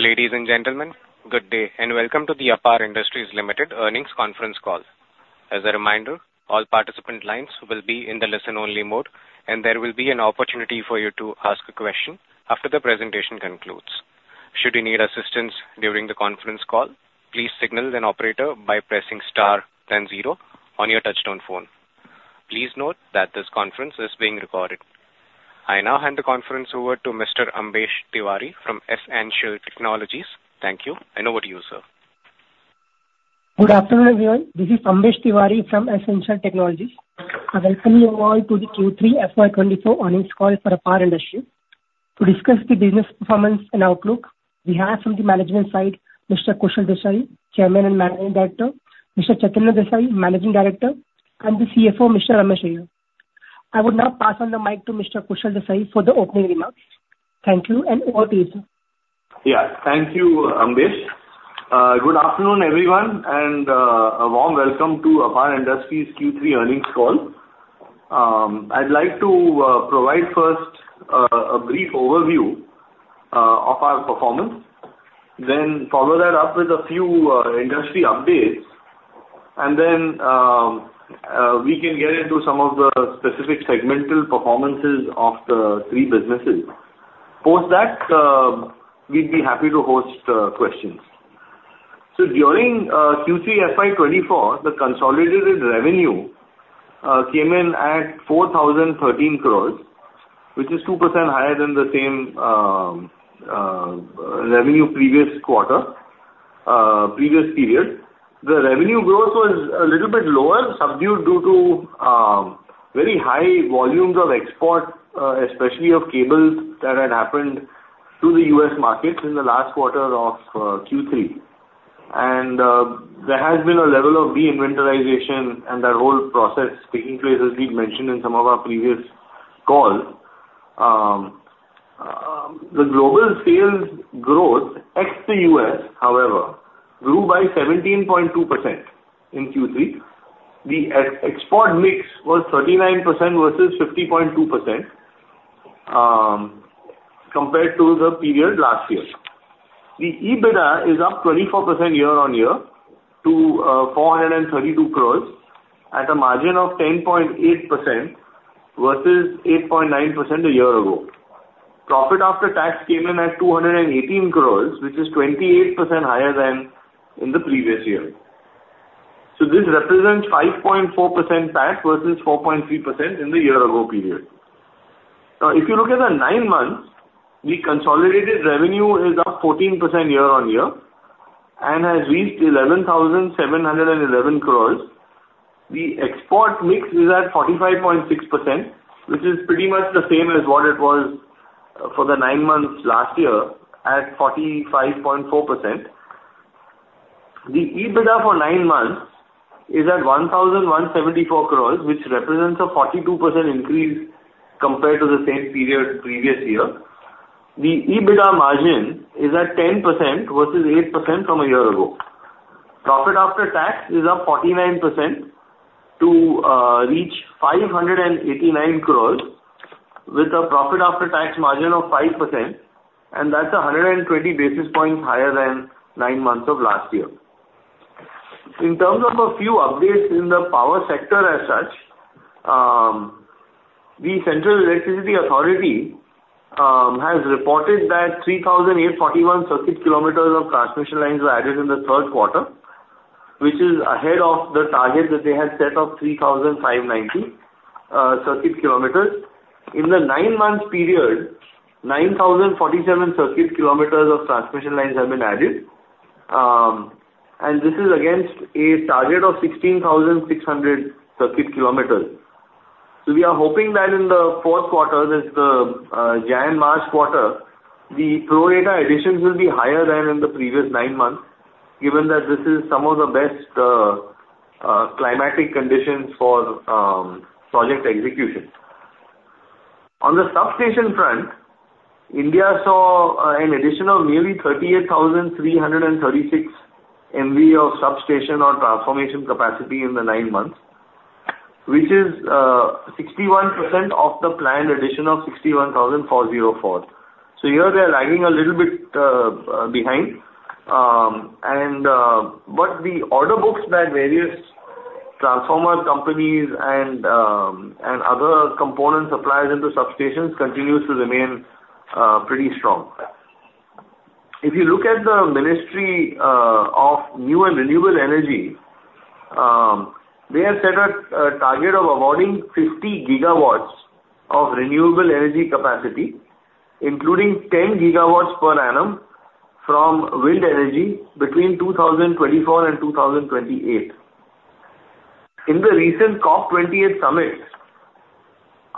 Ladies and gentlemen, good day, and welcome to the APAR Industries Limited earnings conference call. As a reminder, all participant lines will be in the listen-only mode, and there will be an opportunity for you to ask a question after the presentation concludes. Should you need assistance during the conference call, please signal an operator by pressing star then zero on your touch-tone phone. Please note that this conference is being recorded. I now hand the conference over to Mr. Ambesh Tiwari from S-Ancial Technologies. Thank you, and over to you, sir. Good afternoon, everyone. This is Ambesh Tiwari from S-Ancial Technologies. I welcome you all to the Q3 FY 2024 earnings call for APAR Industries. To discuss the business performance and outlook, we have from the management side, Mr. Kushal Desai, Chairman and Managing Director, Mr. Chaitanya Desai, Managing Director, and the CFO, Mr. Ramesh Iyer. I would now pass on the mic to Mr. Kushal Desai for the opening remarks. Thank you, and over to you, sir. Yeah. Thank you, Ambesh. Good afternoon, everyone, and a warm welcome to APAR Industries' Q3 earnings call. I'd like to provide first a brief overview of our performance, then follow that up with a few industry updates, and then we can get into some of the specific segmental performances of the three businesses. Post that, we'd be happy to host questions. During Q3 FY 2024, the consolidated revenue came in at 4,013 crores, which is 2% higher than the same revenue previous quarter, previous period. The revenue growth was a little bit lower, subdued due to very high volumes of export, especially of cables that had happened to the U.S. market in the last quarter of Q3. There has been a level of de-inventorization and that whole process taking place, as we've mentioned in some of our previous calls. The global sales growth, ex the U.S., however, grew by 17.2% in Q3. The ex-export mix was 39% versus 50.2%, compared to the period last year. The EBITDA is up 24% year-on-year to 432 crore at a margin of 10.8% versus 8.9% a year ago. Profit after tax came in at 218 crore, which is 28% higher than in the previous year. So this represents 5.4% tax versus 4.3% in the year-ago period. Now, if you look at the nine months, the consolidated revenue is up 14% year-on-year and has reached 11,711 crores. The export mix is at 45.6%, which is pretty much the same as what it was for the nine months last year at 45.4%. The EBITDA for nine months is at 1,174 crores, which represents a 42% increase compared to the same period previous year. The EBITDA margin is at 10% versus 8% from a year ago. Profit after tax is up 49% to reach 589 crores, with a profit after tax margin of 5%, and that's 120 basis points higher than nine months of last year. In terms of a few updates in the power sector as such, the Central Electricity Authority has reported that 3,841 circuit kilometers of transmission lines were added in the third quarter, which is ahead of the target that they had set of 3,590 circuit kilometers. In the nine-month period, 9,047 circuit kilometers of transmission lines have been added, and this is against a target of 16,600 circuit kilometers. So we are hoping that in the fourth quarter, that's the January-March quarter, the pro rata additions will be higher than in the previous nine months, given that this is some of the best climatic conditions for project execution. On the substation front, India saw an addition of nearly 38,336 MVA of substation or transformation capacity in the nine months, which is 61% of the planned addition of 61,404. So here they are lagging a little bit behind. But the order books that various transformer companies and other component suppliers into substations continues to remain pretty strong. If you look at the Ministry of New and Renewable Energy, they have set a target of awarding 50 GW of renewable energy capacity, including 10 GW per annum from wind energy between 2024 and 2028. In the recent COP28 summit,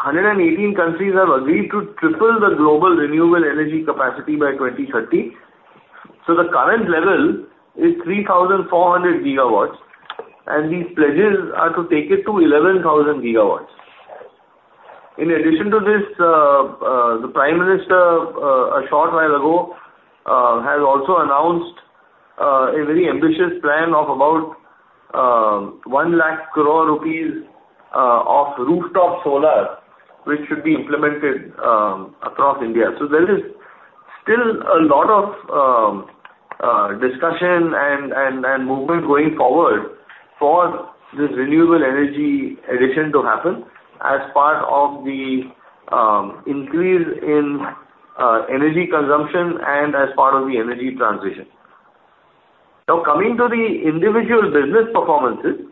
118 countries have agreed to triple the global renewable energy capacity by 2030. So the current level is 3,400 GW, and these pledges are to take it to 11,000 GW. In addition to this, the Prime Minister, a short while ago, has also announced a very ambitious plan of about 1 lakh crore rupees of rooftop solar, which should be implemented across India. So there is still a lot of discussion and movement going forward for this renewable energy addition to happen as part of the increase in energy consumption and as part of the energy transition. Now, coming to the individual business performances,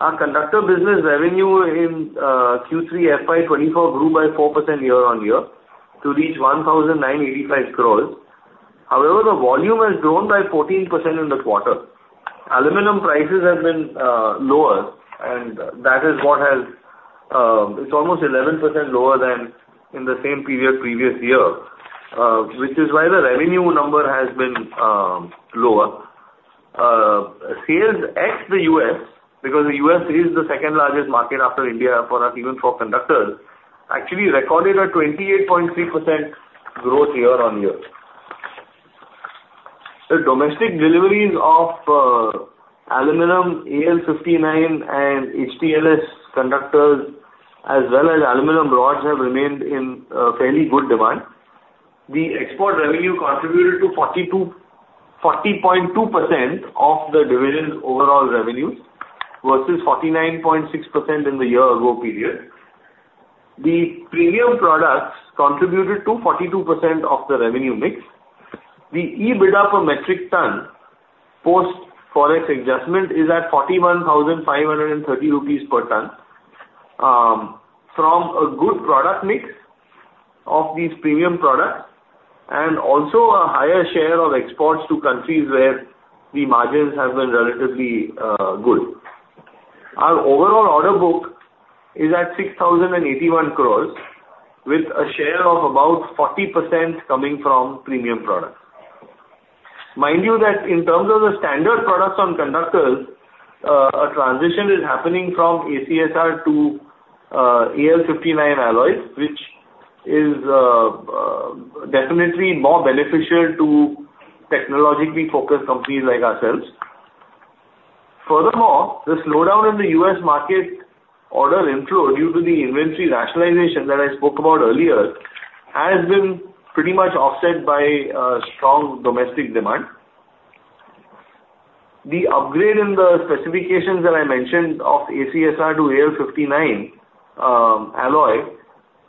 our conductor business revenue in Q3 FY 2024 grew by 4% year-on-year to reach 1,985 crore. However, the volume has grown by 14% in this quarter. Aluminum prices have been lower, and that is what has. It's almost 11% lower than in the same period previous year, which is why the revenue number has been lower. Sales at the U.S., because the U.S. is the second largest market after India for us, even for conductors, actually recorded a 28.3% growth year-on-year. The domestic deliveries of aluminum AL-59 and HTLS conductors, as well as aluminum rods, have remained in fairly good demand. The export revenue contributed to 40.2% of the division's overall revenues, versus 49.6% in the year-ago period. The premium products contributed to 42% of the revenue mix. The EBITDA per metric ton, post Forex adjustment, is at 41,530 rupees per ton from a good product mix of these premium products, and also a higher share of exports to countries where the margins have been relatively good. Our overall order book is at 6,081 crores, with a share of about 40% coming from premium products. Mind you, that in terms of the standard products on conductors, a transition is happening from ACSR to AL-59 alloys, which is definitely more beneficial to technologically focused companies like ourselves. Furthermore, the slowdown in the U.S. market order inflow due to the inventory rationalization that I spoke about earlier has been pretty much offset by strong domestic demand. The upgrade in the specifications that I mentioned of ACSR to AL-59 alloy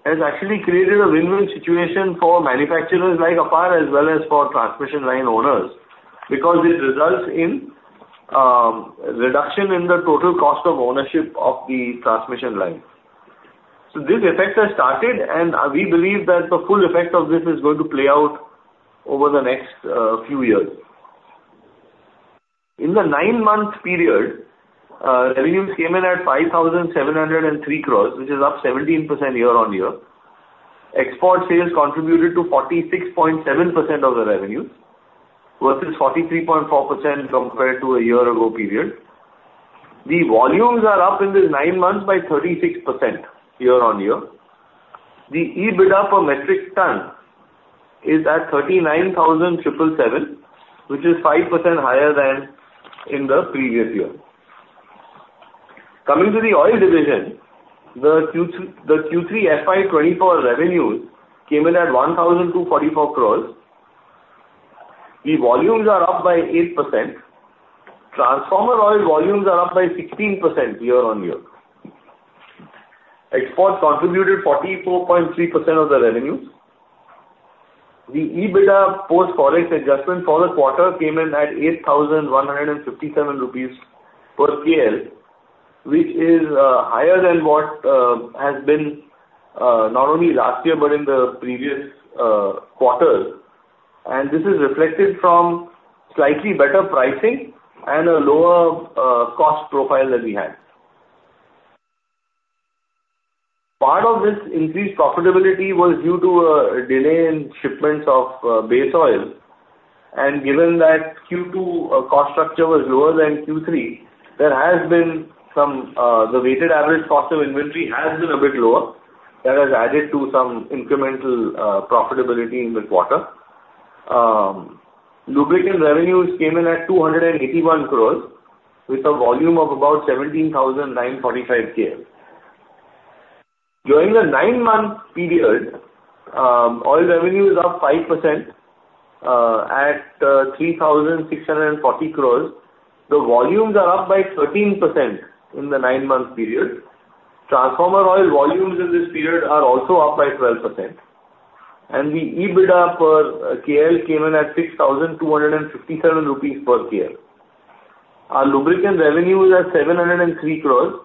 has actually created a win-win situation for manufacturers like APAR, as well as for transmission line owners, because it results in reduction in the total cost of ownership of the transmission line. So this effect has started, and we believe that the full effect of this is going to play out over the next few years. In the nine-month period, revenues came in at 5,703 crores, which is up 17% year-on-year. Export sales contributed to 46.7% of the revenues, versus 43.4% compared to a year ago period. The volumes are up in this nine months by 36% year-on-year. The EBITDA per metric ton is at 39,777, which is 5% higher than in the previous year. Coming to the oil division, the Q3 FY 2024 revenues came in at 1,244 crores. The volumes are up by 8%. Transformer oil volumes are up by 16% year-on-year. Export contributed 44.3% of the revenue. The EBITDA post Forex adjustment for the quarter came in at 8,157 rupees per KL, which is higher than what has been not only last year, but in the previous quarters, and this is reflected from slightly better pricing and a lower cost profile that we had. Part of this increased profitability was due to a delay in shipments of base oil, and given that Q2 cost structure was lower than Q3, there has been some the weighted average cost of inventory has been a bit lower. That has added to some incremental profitability in this quarter. Lubricant revenues came in at 281 crore, with a volume of about 17,945 KL. During the nine-month period, oil revenue is up 5% at 3,640 crore. The volumes are up by 13% in the nine-month period. Transformer oil volumes in this period are also up by 12%, and the EBITDA per KL came in at 6,257 rupees per KL. Our lubricant revenue is at 703 crore,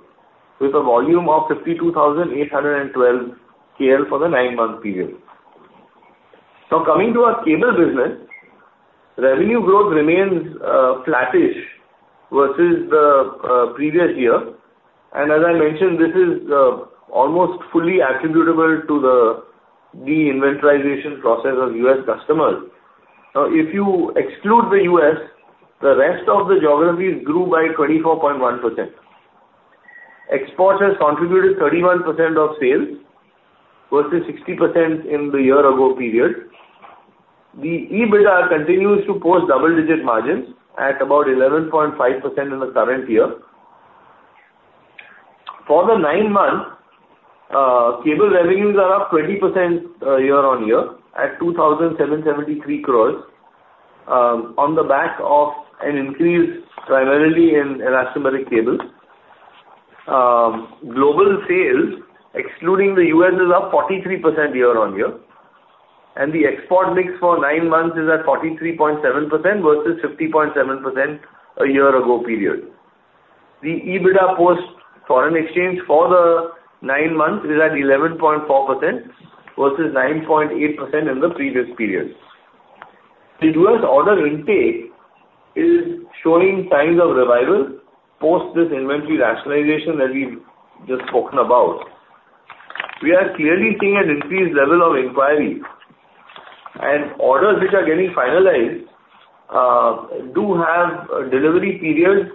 with a volume of 52,812 KL for the nine-month period. Now, coming to our cable business, revenue growth remains flattish versus the previous year, and as I mentioned, this is almost fully attributable to the de-inventorying process of U.S. customers. Now, if you exclude the U.S., the rest of the geographies grew by 24.1%. Export has contributed 31% of sales versus 60% in the year-ago period. The EBITDA continues to post double-digit margins at about 11.5% in the current year. For the nine months, cable revenues are up 20% year-on-year at 2,773 crore, on the back of an increase primarily in coaxial cable. Global sales, excluding the U.S., is up 43% year-on-year, and the export mix for nine months is at 43.7% versus 50.7% a year ago period. The EBITDA post foreign exchange for the nine months is at 11.4% versus 9.8% in the previous period. The U.S. order intake is showing signs of revival post this inventory rationalization that we've just spoken about. We are clearly seeing an increased level of inquiries, and orders which are getting finalized do have delivery periods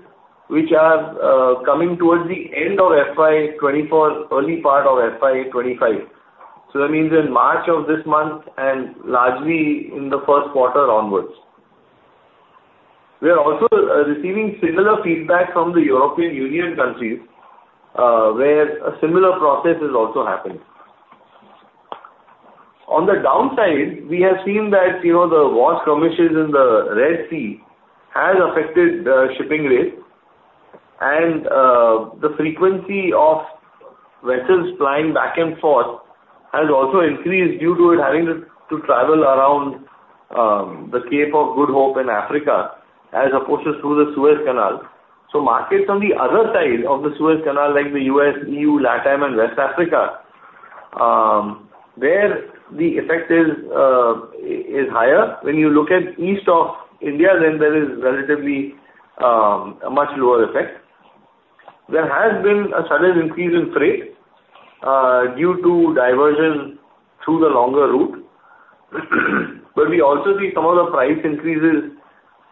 which are coming towards the end of FY 2024, early part of FY 2025. So that means in March of this month and largely in the first quarter onwards. We are also receiving similar feedback from the European Union countries, where a similar process is also happening. On the downside, we have seen that, you know, the wars skirmishes in the Red Sea has affected the shipping rates and the frequency of vessels plying back and forth has also increased due to it having to travel around the Cape of Good Hope in Africa, as opposed to through the Suez Canal. So markets on the other side of the Suez Canal, like the U.S., EU, LatAm and West Africa, there the effect is higher. When you look at east of India, then there is relatively a much lower effect. There has been a sudden increase in freight due to diversion through the longer route. But we also see some of the price increases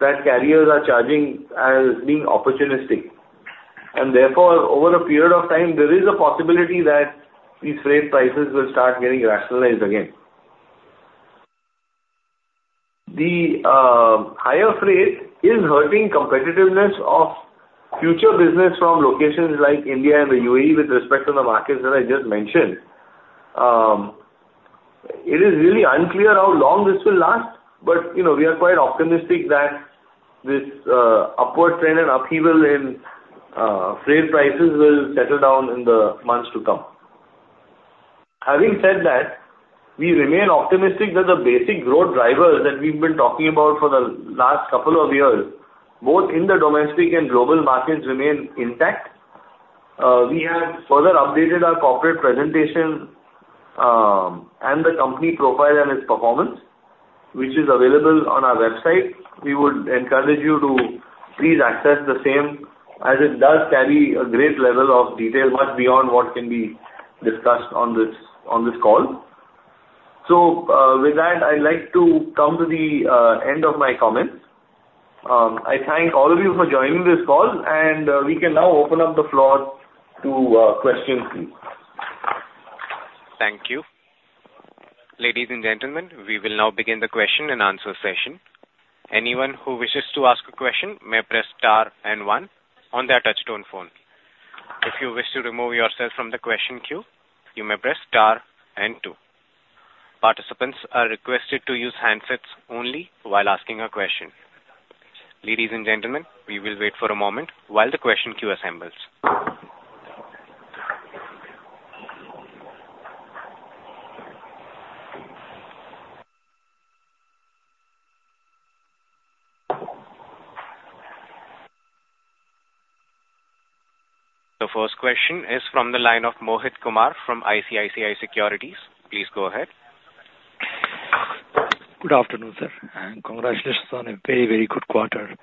that carriers are charging as being opportunistic, and therefore, over a period of time, there is a possibility that these freight prices will start getting rationalized again. The higher freight is hurting competitiveness of future business from locations like India and the UAE with respect to the markets that I just mentioned. It is really unclear how long this will last, but, you know, we are quite optimistic that this, upward trend and upheaval in, freight prices will settle down in the months to come. Having said that, we remain optimistic that the basic growth drivers that we've been talking about for the last couple of years, both in the domestic and global markets, remain intact. We have further updated our corporate presentation, and the company profile and its performance, which is available on our website. We would encourage you to please access the same, as it does carry a great level of detail, but beyond what can be discussed on this, on this call. So, with that, I'd like to come to the end of my comments. I thank all of you for joining this call, and we can now open up the floor to questions, please. Thank you. Ladies and gentlemen, we will now begin the question-and-answer session. Anyone who wishes to ask a question may press star and one on their touch-tone phone. If you wish to remove yourself from the question queue, you may press star and two. Participants are requested to use handsets only while asking a question. Ladies and gentlemen, we will wait for a moment while the question queue assembles. The first question is from the line of Mohit Kumar, from ICICI Securities. Please go ahead. Good afternoon, sir, and congratulations on a very, very good quarter.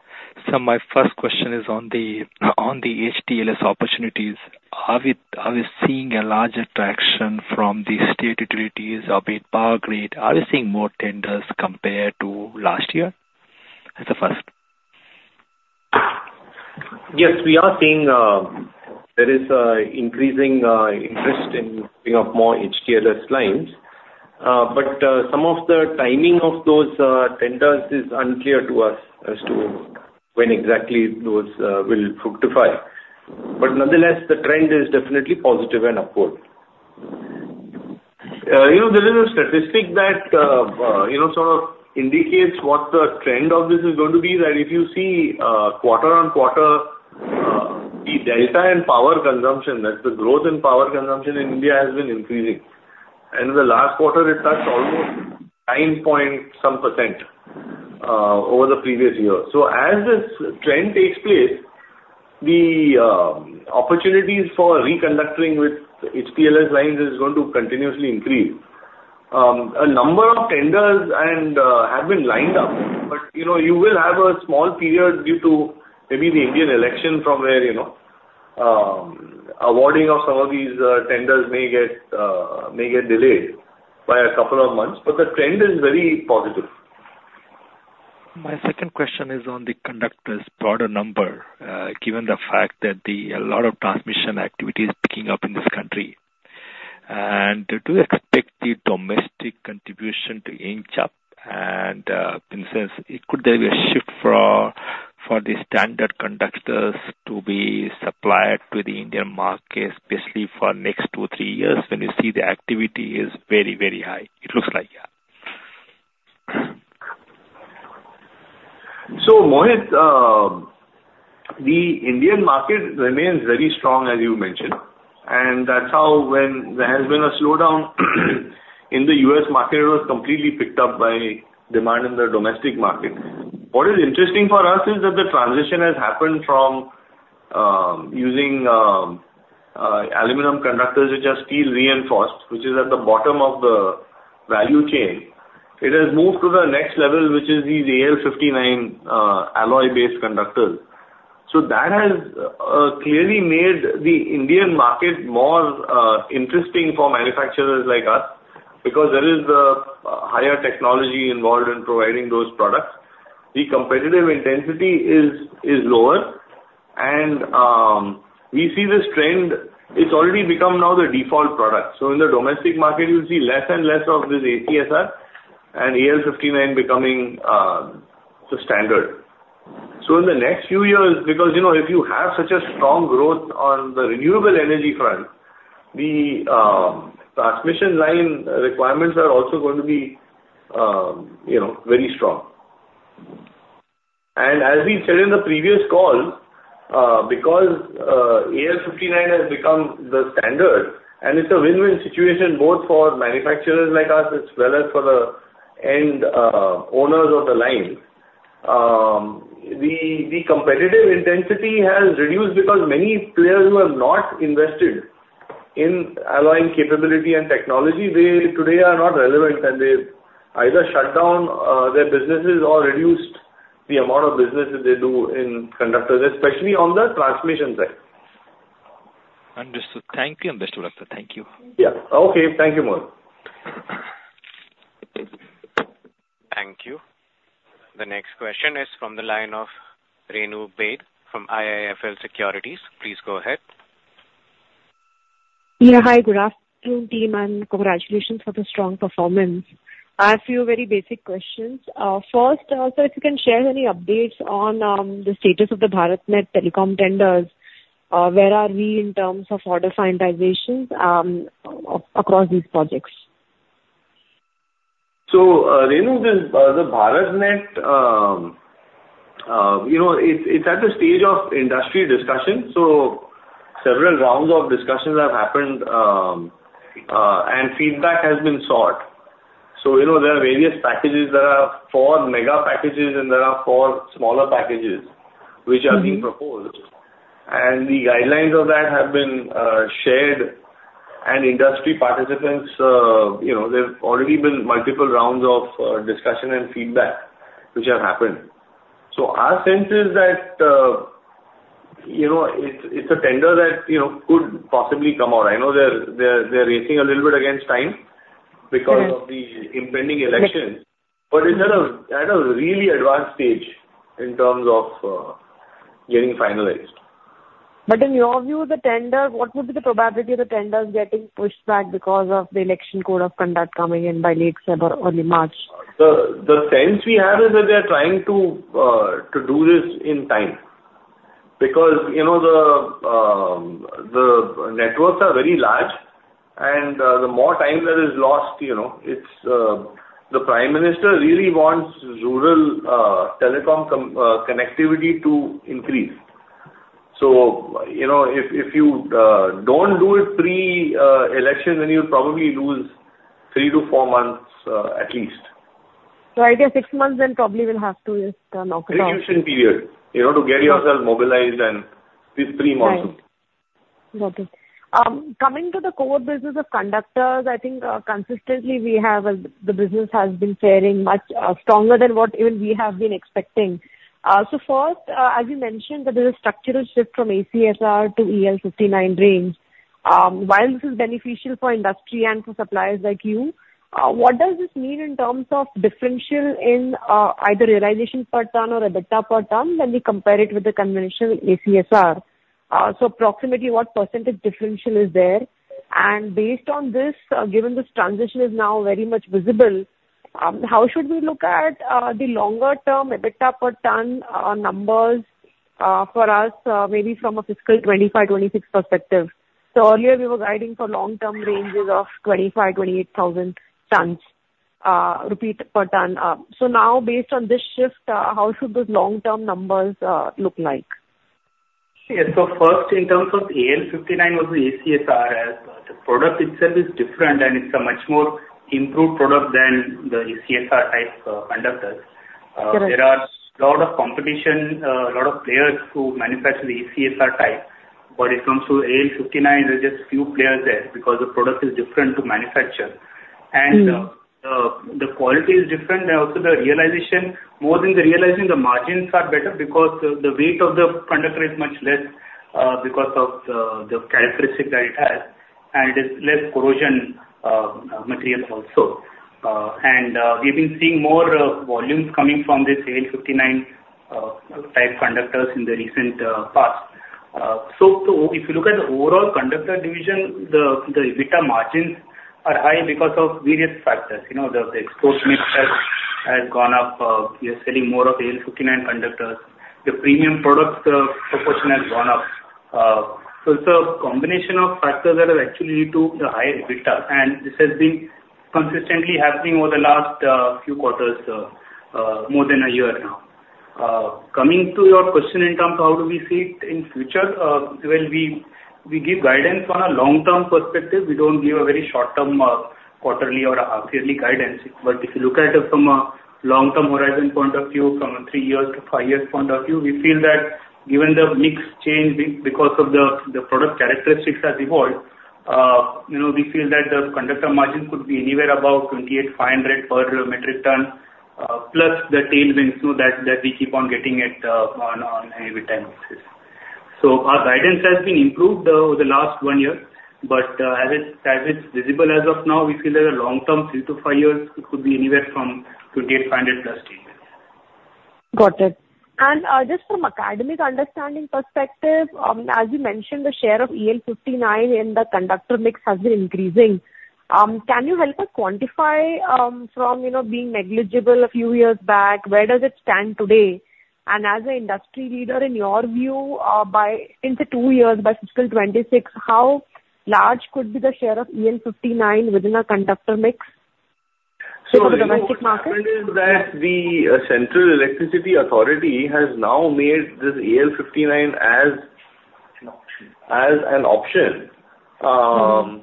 So my first question is on the HTLS opportunities. Are we seeing a larger traction from the state utilities or Power Grid? Are we seeing more tenders compared to last year? That's the first. Yes, we are seeing, there is a increasing interest in putting up more HTLS lines. But some of the timing of those tenders is unclear to us as to when exactly those will fructify. But nonetheless, the trend is definitely positive and upward. You know, there is a statistic that you know sort of indicates what the trend of this is going to be, that if you see quarter-on-quarter the delta in power consumption, that's the growth in power consumption in India, has been increasing, and in the last quarter it touched almost 9.x% over the previous year. So as this trend takes place, the opportunities for reconductoring with HTLS lines is going to continuously increase. A number of tenders and have been lined up, but, you know, you will have a small period due to maybe the Indian election from where, you know, awarding of some of these tenders may get delayed by a couple of months. But the trend is very positive. My second question is on the conductors broader number, given the fact that a lot of transmission activity is picking up in this country. Do you expect the domestic contribution to inch up, and in a sense, could there be a shift for the standard conductors to be supplied to the Indian market, especially for next 2-3 years, when you see the activity is very, very high? It looks like, yeah. So, Mohit, the Indian market remains very strong, as you mentioned, and that's how when there has been a slowdown in the U.S. market, it was completely picked up by demand in the domestic market. What is interesting for us is that the transition has happened from using aluminum conductors, which are steel reinforced, which is at the bottom of the value chain. It has moved to the next level, which is the AL-59 alloy-based conductors. So that has clearly made the Indian market more interesting for manufacturers like us, because there is a higher technology involved in providing those products. The competitive intensity is lower, and we see this trend; it's already become now the default product. So in the domestic market, you'll see less and less of this ACSR and AL-59 becoming the standard. So in the next few years, because, you know, if you have such a strong growth on the renewable energy front, the transmission line requirements are also going to be, you know, very strong. And as we said in the previous call, because AL-59 has become the standard, and it's a win-win situation both for manufacturers like us, as well as for the end owners of the line. The competitive intensity has reduced because many players who have not invested in alloying capability and technology, they today are not relevant, and they've either shut down their businesses or reduced the amount of business that they do in conductors, especially on the transmission side. Understood. Thank you. Understood, sir. Thank you. Yeah. Okay, thank you, Mohit. Thank you. The next question is from the line of Renu Baid, from IIFL Securities. Please go ahead. Yeah, hi, good afternoon, team, and congratulations for the strong performance. I have a few very basic questions. First, so if you can share any updates on the status of the BharatNet telecom tenders, where are we in terms of order finalizations, across these projects? So, Renu, this, the BharatNet, you know, it's, it's at the stage of industry discussion, so several rounds of discussions have happened, and feedback has been sought. So, you know, there are various packages that are four mega packages, and there are four smaller packages which are being proposed. Mm-hmm. The guidelines of that have been shared, and industry participants, you know, there's already been multiple rounds of discussion and feedback which have happened. So our sense is that, you know, it's a tender that, you know, could possibly come out. I know they're racing a little bit against time because of the impending elections, but it's at a really advanced stage in terms of, getting finalized. But in your view, the tender, what would be the probability of the tenders getting pushed back because of the election code of conduct coming in by late February, early March? The sense we have is that they're trying to do this in time, because, you know, the networks are very large and the more time that is lost, you know, the Prime Minister really wants rural telecom connectivity to increase. So, you know, if you don't do it pre-election, then you'll probably lose 3-4 months at least. I guess six months, then, probably will have to just knock it off. Transition period, you know, to get yourself mobilized and these three months. Right. Got it. Coming to the core business of conductors, I think, consistently, we have, the business has been faring much stronger than what even we have been expecting. So first, as you mentioned, that there's a structural shift from ACSR to AL-59 range. While this is beneficial for industry and for suppliers like you, what does this mean in terms of differential in, either realization per ton or EBITDA per ton, when we compare it with the conventional ACSR? So approximately what percentage differential is there, and based on this, given this transition is now very much visible, how should we look at, the longer term EBITDA per ton, numbers, for us, maybe from a fiscal 2025, 2026 perspective? So earlier we were guiding for long-term ranges of 25,000-28,000 rupees per ton. So now based on this shift, how should those long-term numbers look like? Yeah. So first, in terms of AL-59 versus ACSR, as the product itself is different and it's a much more improved product than the ACSR type, conductors. Correct. There are a lot of competition, a lot of players who manufacture the ACSR type, but when it comes to AL-59, there's just few players there, because the product is different to manufacture. Mm-hmm. The quality is different, and also the realization, more than the realization, the margins are better because the weight of the conductor is much less, because of the characteristic that it has and it's less corrosion, material also. And, we've been seeing more volumes coming from this AL-59 type conductors in the recent past. So, if you look at the overall conductor division, the EBITDA margins are high because of various factors. You know, the export mix has gone up. We are selling more of AL-59 conductors. The premium product proportion has gone up. So it's a combination of factors that have actually led to the higher EBITDA, and this has been consistently happening over the last few quarters, more than a year now. Coming to your question in terms of how do we see it in future? Well, we give guidance on a long-term perspective. We don't give a very short-term quarterly or a half yearly guidance. But if you look at it from a long-term horizon point of view, from a three years to five years point of view, we feel that given the mix change because of the product characteristics has evolved, you know, we feel that the conductor margin could be anywhere above 28,500 per metric ton, plus the tailwinds too, that we keep on getting on an every time basis. So our guidance has been improved over the last one year, but as it's visible as of now, we feel that a long term, three to five years, it could be anywhere from 28,500 plus tailwind. Got it. And, just from academic understanding perspective, as you mentioned, the share of AL-59 in the conductor mix has been increasing. Can you help us quantify, from, you know, being negligible a few years back, where does it stand today? And as an industry leader, in your view, by, in say two years, by fiscal 2026, how large could be the share of AL-59 within a conductor mix for the domestic market? Is that the Central Electricity Authority has now made this AL-59 as- An option. As an option. Mm-hmm.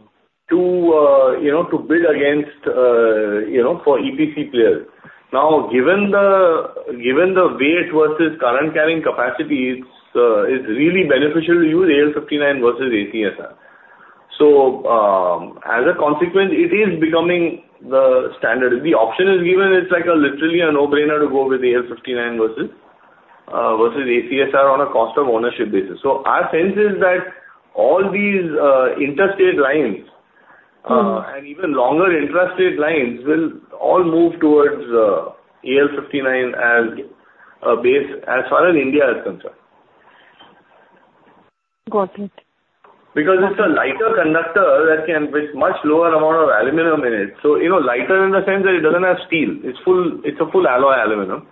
To, you know, to bid against, you know, for EPC players. Now, given the, given the weight versus current carrying capacity, it's, it's really beneficial to use AL-59 versus ACSR. So, as a consequence, it is becoming the standard. If the option is given, it's like a literally a no-brainer to go with AL-59 versus, versus ACSR on a cost of ownership basis. So our sense is that all these, interstate lines, and even longer intrastate lines, will all move towards, AL-59 as a base, as far as India is concerned. Got it. Because it's a lighter conductor that can... With much lower amount of aluminum in it, so, you know, lighter in the sense that it doesn't have steel. It's full, it's a full alloy aluminum.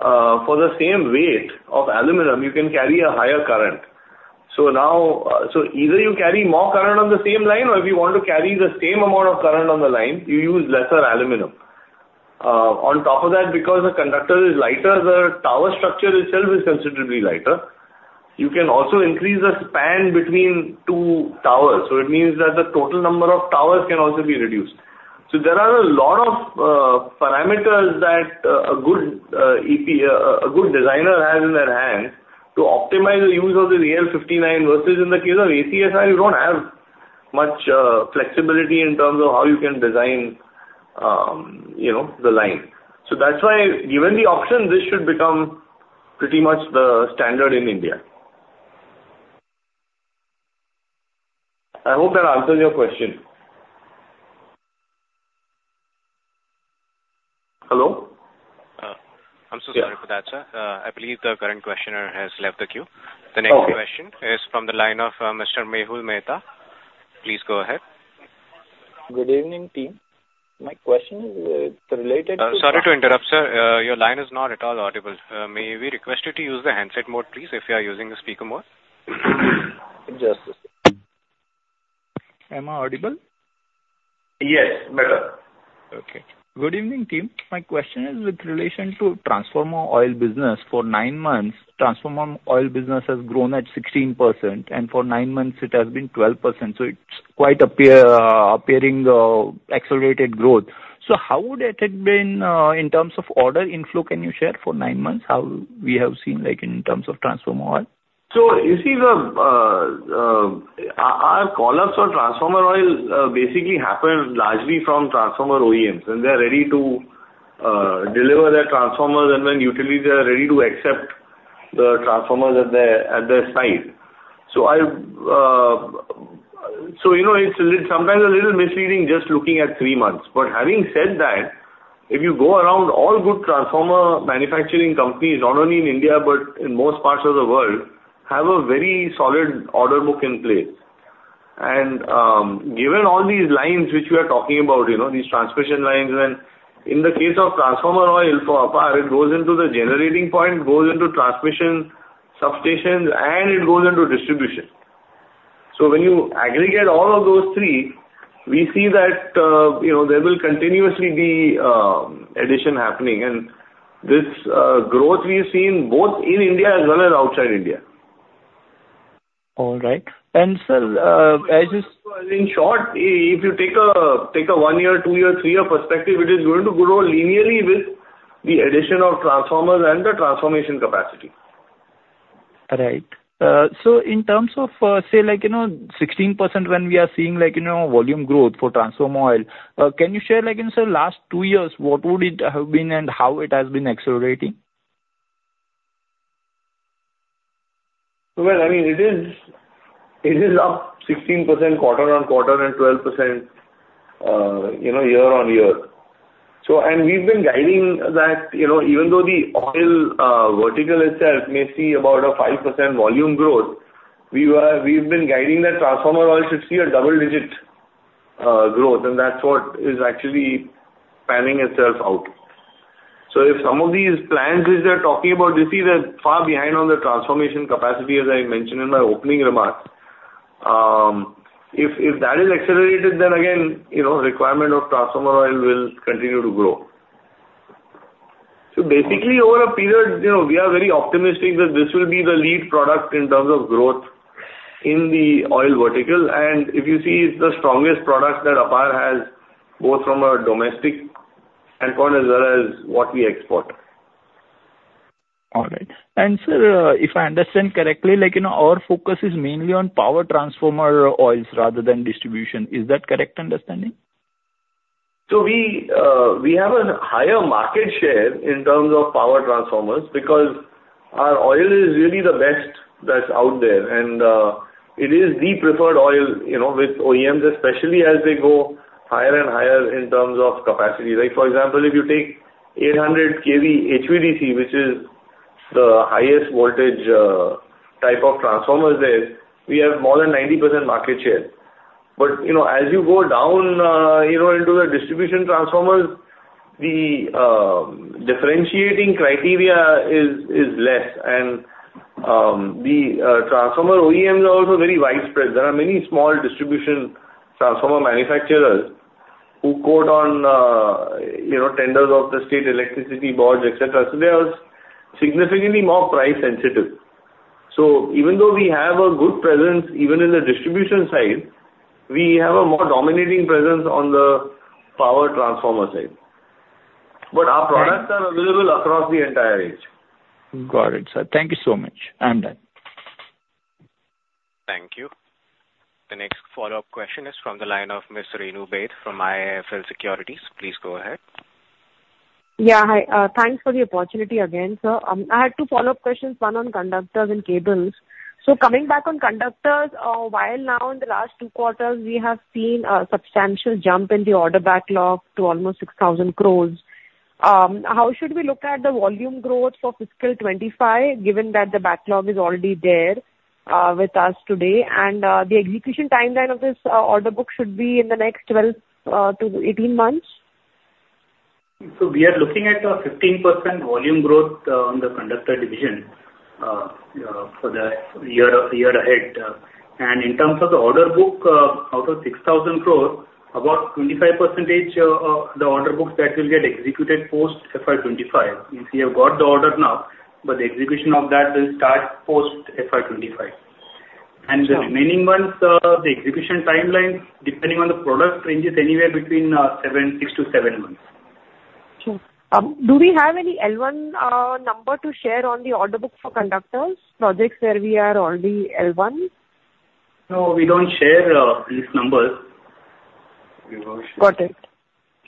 For the same weight of aluminum, you can carry a higher current. So now, so either you carry more current on the same line, or if you want to carry the same amount of current on the line, you use lesser aluminum. On top of that, because the conductor is lighter, the tower structure itself is considerably lighter. You can also increase the span between two towers, so it means that the total number of towers can also be reduced. So there are a lot of parameters that a good EPC designer has in their hand to optimize the use of this AL-59, versus in the case of ACSR, you don't have much flexibility in terms of how you can design, you know, the line. So that's why given the option, this should become pretty much the standard in India. I hope that answers your question. Hello? I'm so sorry for that, sir. Yeah. I believe the current questioner has left the queue. Okay. The next question is from the line of Mr. Mehul Mehta. Please go ahead. Good evening, team. My question is, related to- Sorry to interrupt, sir. Your line is not at all audible. May we request you to use the handset mode, please, if you are using the speaker mode? Just a second. Am I audible? Yes, better. Okay. Good evening, team. My question is with relation to transformer oil business. For nine months, transformer oil business has grown at 16%, and for nine months it has been 12%, so it's quite apparent, accelerated growth. So how would it have been, in terms of order inflow, can you share for nine months, how we have seen, like, in terms of transformer oil? So you see the our call ups for transformer oil basically happened largely from transformer OEMs, when they are ready to deliver their transformers and when utilities are ready to accept the transformers at their site. So I've So you know, it's sometimes a little misleading, just looking at three months. But having said that, if you go around, all good transformer manufacturing companies, not only in India, but in most parts of the world, have a very solid order book in place. And given all these lines which we are talking about, you know, these transmission lines, and in the case of transformer oil for APAR, it goes into the generating point, goes into transmission, substations, and it goes into distribution. So when you aggregate all of those three, we see that, you know, there will continuously be addition happening. And this growth we are seeing both in India as well as outside India. All right. And, sir, I just- In short, if you take a 1-year, 2-year, 3-year perspective, it is going to grow linearly with the addition of transformers and the transformation capacity. Right. So in terms of, say like, you know, 16% when we are seeing like, you know, volume growth for transformer oil, can you share, like, in say last two years, what would it have been and how it has been accelerating? Well, I mean, it is, it is up 16% quarter-on-quarter and 12%, you know, year-on-year. So, and we've been guiding that, you know, even though the oil vertical itself may see about a 5% volume growth, we were- we've been guiding that transformer oil should see a double-digit growth, and that's what is actually panning itself out. So if some of these plans which they're talking about, you see they're far behind on the transmission capacity, as I mentioned in my opening remarks. If, if that is accelerated, then again, you know, requirement of transformer oil will continue to grow. So basically, over a period, you know, we are very optimistic that this will be the lead product in terms of growth in the oil vertical. If you see, it's the strongest product that APAR has, both from a domestic standpoint as well as what we export. All right. And sir, if I understand correctly, like, you know, our focus is mainly on power transformer oils rather than distribution. Is that correct understanding? So we, we have a higher market share in terms of power transformers, because our oil is really the best that's out there, and, it is the preferred oil, you know, with OEMs, especially as they go higher and higher in terms of capacity. Like, for example, if you take 800 kV HVDC, which is the highest voltage, type of transformers there, we have more than 90% market share. But, you know, as you go down, you know, into the distribution transformers, the differentiating criteria is less. And, the transformer OEMs are also very widespread. There are many small distribution transformer manufacturers who quote on, you know, tenders of the state electricity boards, etc. So they are significantly more price sensitive. So even though we have a good presence, even in the distribution side, we have a more dominating presence on the power transformer side. But our products are available across the entire range. Got it, sir. Thank you so much. I'm done. Thank you. The next follow-up question is from the line of Ms. Renu Baid from IIFL Securities. Please go ahead. Yeah, hi. Thanks for the opportunity again, sir. I had two follow-up questions, one on conductors and cables. So coming back on conductors, while now in the last two quarters, we have seen a substantial jump in the order backlog to almost 6,000 crore, how should we look at the volume growth for fiscal 2025, given that the backlog is already there with us today? And, the execution timeline of this order book should be in the next 12-18 months. We are looking at a 15% volume growth on the conductor division for the year, year ahead. In terms of the order book, out of 6,000 crore, about 25%, the order books that will get executed post FY 2025. We have got the order now, but the execution of that will start post FY 2025. Sure. The remaining months, the execution timeline, depending on the product, ranges anywhere between 6-7 months. Sure. Do we have any L1 number to share on the order book for conductors, projects where we are already L1? No, we don't share these numbers. Got it.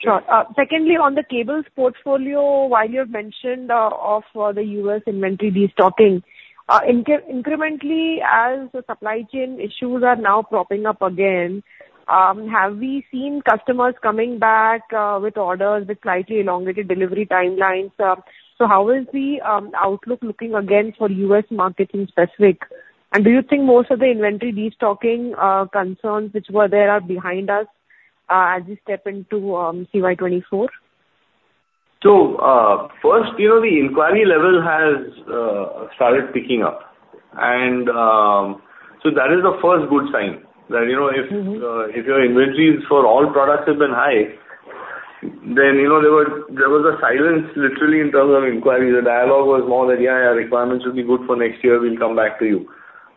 Sure. Secondly, on the cables portfolio, while you've mentioned of the U.S. inventory destocking incrementally, as the supply chain issues are now propping up again, have we seen customers coming back with orders with slightly elongated delivery timelines? So how is the outlook looking again for U.S. markets in specific? And do you think most of the inventory destocking concerns which were there are behind us as we step into CY 2024? So, first, you know, the inquiry level has started picking up. And, so that is the first good sign, that, you know, if your inventory for all products has been high, then, you know, there were, there was a silence literally in terms of inquiries. The dialogue was more that, "Yeah, our requirements will be good for next year. We'll come back to you."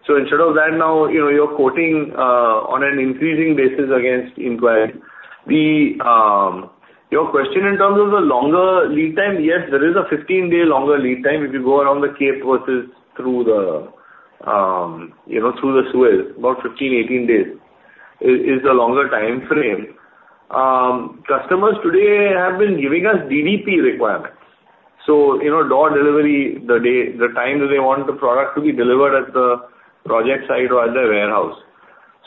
So instead of that, now, you know, you're quoting on an increasing basis against inquiry. Your question in terms of the longer lead time, yes, there is a 15-day longer lead time if you go around the Cape versus through the, you know, through the Suez, about 15, 18 days is the longer timeframe. Customers today have been giving us DDP requirements. So, you know, door delivery, the day, the time that they want the product to be delivered at the project site or at the warehouse.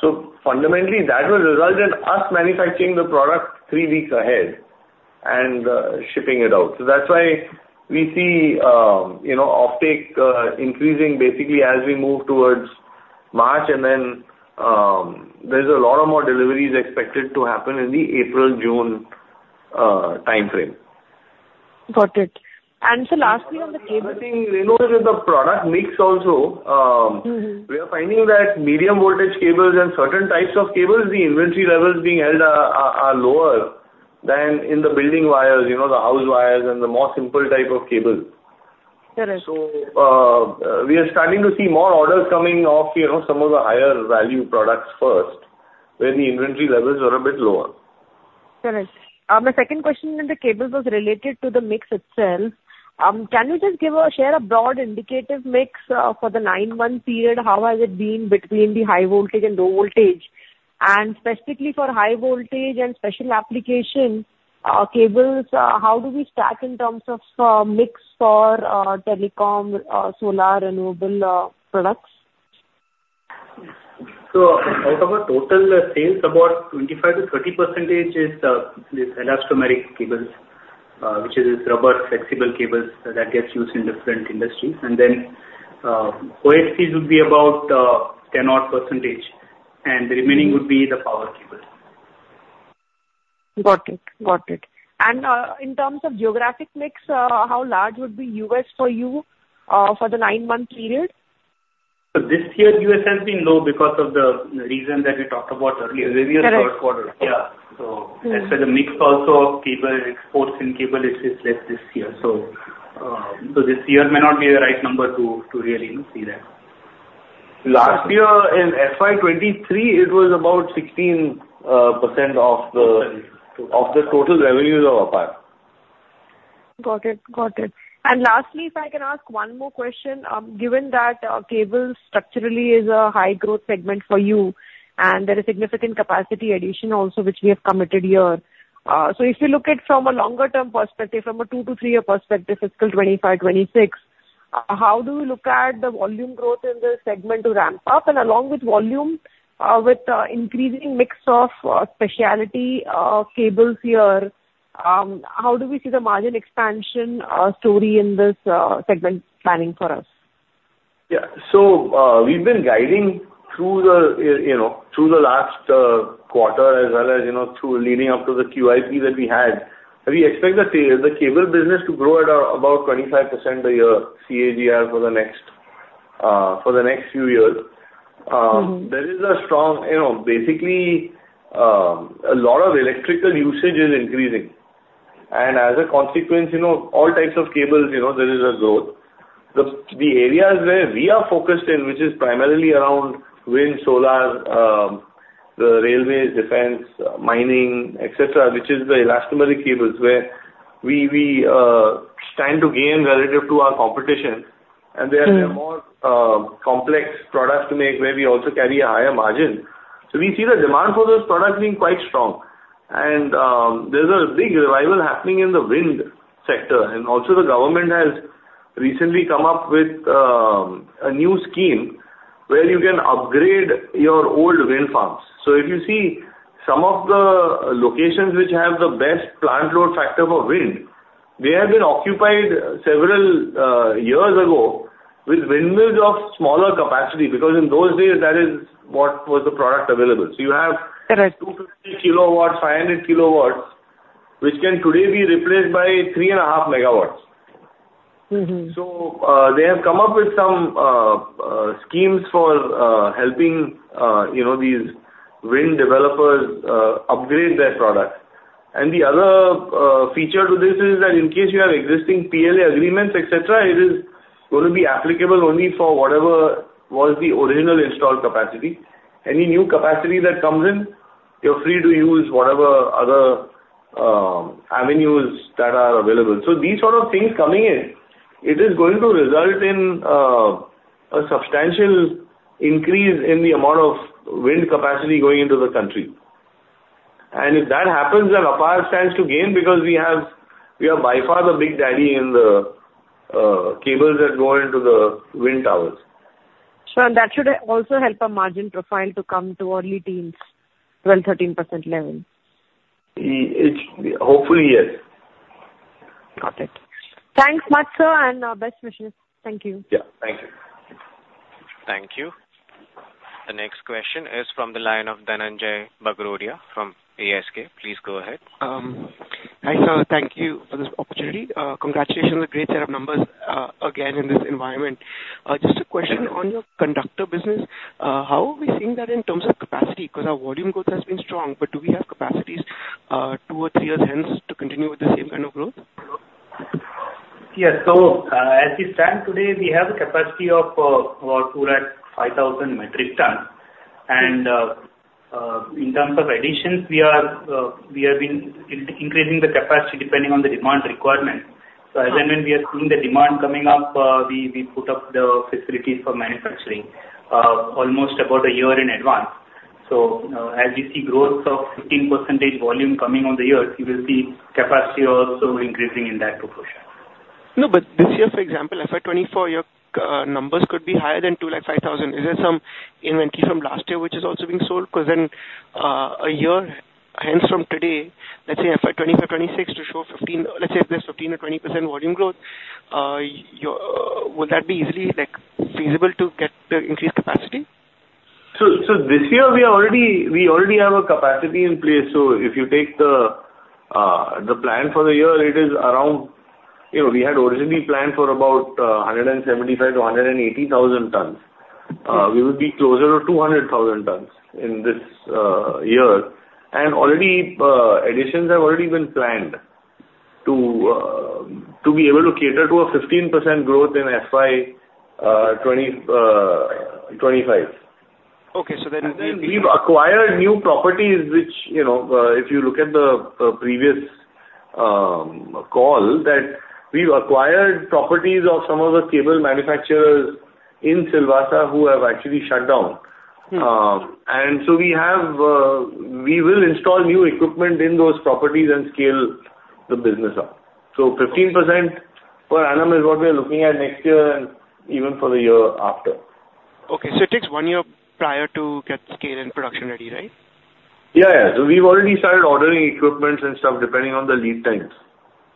So fundamentally, that will result in us manufacturing the product three weeks ahead and, shipping it out. So that's why we see, you know, offtake, increasing basically as we move towards March, and then, there's a lot of more deliveries expected to happen in the April-June, timeframe. Got it. And so lastly on the cable- I think, Renu, with the product mix also, Mm-hmm. We are finding that medium voltage cables and certain types of cables, the inventory levels being held are lower than in the building wires, you know, the house wires and the more simple type of cables. Correct. So, we are starting to see more orders coming off, you know, some of the higher value products first, where the inventory levels were a bit lower. Correct. My second question in the cables was related to the mix itself. Can you just give or share a broad indicative mix for the nine-month period? How has it been between the high voltage and low voltage? And specifically for high voltage and special application cables, how do we stack in terms of mix for telecom, solar, renewable products? Out of our total sales, about 25%-30% is this elastomeric cables, which is rubber flexible cables that gets used in different industries. And then, OFCs would be about 10-odd percentage, and the remaining would be the power cables. Got it. Got it. And, in terms of geographic mix, how large would be U.S. for you, for the nine-month period? So this year, U.S. has been low because of the reason that we talked about earlier- Correct. In the third quarter. Yeah. So- Mm-hmm. As for the mix also of cable exports in cable, it is less this year. So, so this year may not be the right number to, to really see that. Last year, in FY 2023, it was about 16% of the total revenues of APAR. Got it. Got it. And lastly, if I can ask one more question, given that, cables structurally is a high growth segment for you, and there is significant capacity addition also, which we have committed here. So if you look at from a longer term perspective, from a 2-3-year perspective, fiscal 2025, 2026, how do you look at the volume growth in this segment to ramp up? And along with volume, with increasing mix of specialty cables here, how do we see the margin expansion story in this segment planning for us? Yeah. So, we've been guiding through the, you know, through the last quarter, as well as, you know, through leading up to the QIP that we had. We expect the cable business to grow at about 25% a year, CAGR, for the next few years. Mm-hmm. There is a strong, you know, basically, a lot of electrical usage is increasing, and as a consequence, you know, all types of cables, you know, there is a growth. The areas where we are focused in, which is primarily around wind, solar, the railway, defense, mining, etc, which is the elastomeric cables, where we stand to gain relative to our competition. Mm-hmm. They are more complex products to make, where we also carry a higher margin. So we see the demand for this product being quite strong. And there's a big revival happening in the wind sector. And also, the government has recently come up with a new scheme where you can upgrade your old wind farms. So if you see some of the locations which have the best plant load factor for wind, they have been occupied several years ago with windmills of smaller capacity, because in those days, that is what was the product available. So you have 250 kW, 500 kW, which can today be replaced by 3.5 MW. Mm-hmm. So, they have come up with some schemes for helping, you know, these wind developers upgrade their products. And the other feature to this is that in case you have existing PPA agreements, etc, it is going to be applicable only for whatever was the original installed capacity. Any new capacity that comes in, you're free to use whatever other avenues that are available. So these sort of things coming in, it is going to result in a substantial increase in the amount of wind capacity going into the country. And if that happens, then APAR stands to gain because we have, we are by far the big daddy in the cables that go into the wind towers. Sure, and that should also help our margin profile to come to early teens, 12%-13% level. It's hopefully, yes. Got it. Thanks much, sir, and, best wishes. Thank you. Yeah, thank you. Thank you. The next question is from the line of Dhananjay Bagrodia from ASK. Please go ahead. Hi, sir. Thank you for this opportunity. Congratulations on the great set of numbers, again, in this environment. Just a question on your conductor business, how are we seeing that in terms of capacity? Because our volume growth has been strong, but do we have capacities two or three years hence, to continue with the same kind of growth? Yes. So, as we stand today, we have a capacity of about 205,000 metric ton. And, in terms of additions, we are, we have been increasing the capacity depending on the demand requirement. So as and when we are seeing the demand coming up, we put up the facilities for manufacturing almost about a year in advance. So, as we see growth of 15% volume coming on the year, you will see capacity also increasing in that proportion. No, but this year, for example, FY 2024, your numbers could be higher than 205,000. Is there some inventory from last year which is also being sold? Because then, a year hence, from today, let's say FY 2025, FY 2026, to show 15%, let's say if there's 15% or 20% volume growth, your would that be easily, like, feasible to get the increased capacity? So this year we are already, we already have a capacity in place. So if you take the plan for the year, it is around, you know, we had originally planned for about 175,000-180,000 tons. We would be closer to 200,000 tons in this year. And already, additions have already been planned to be able to cater to a 15% growth in FY 2025. Okay, so then- Then we've acquired new properties, which, you know, if you look at the previous call that we've acquired properties of some of the cable manufacturers in Silvassa who have actually shut down. Hmm. and so we have, we will install new equipment in those properties and scale the business up. 15% per annum is what we are looking at next year and even for the year after. Okay, so it takes one year prior to get scale and production ready, right? Yeah, yeah. So we've already started ordering equipment and stuff, depending on the lead times.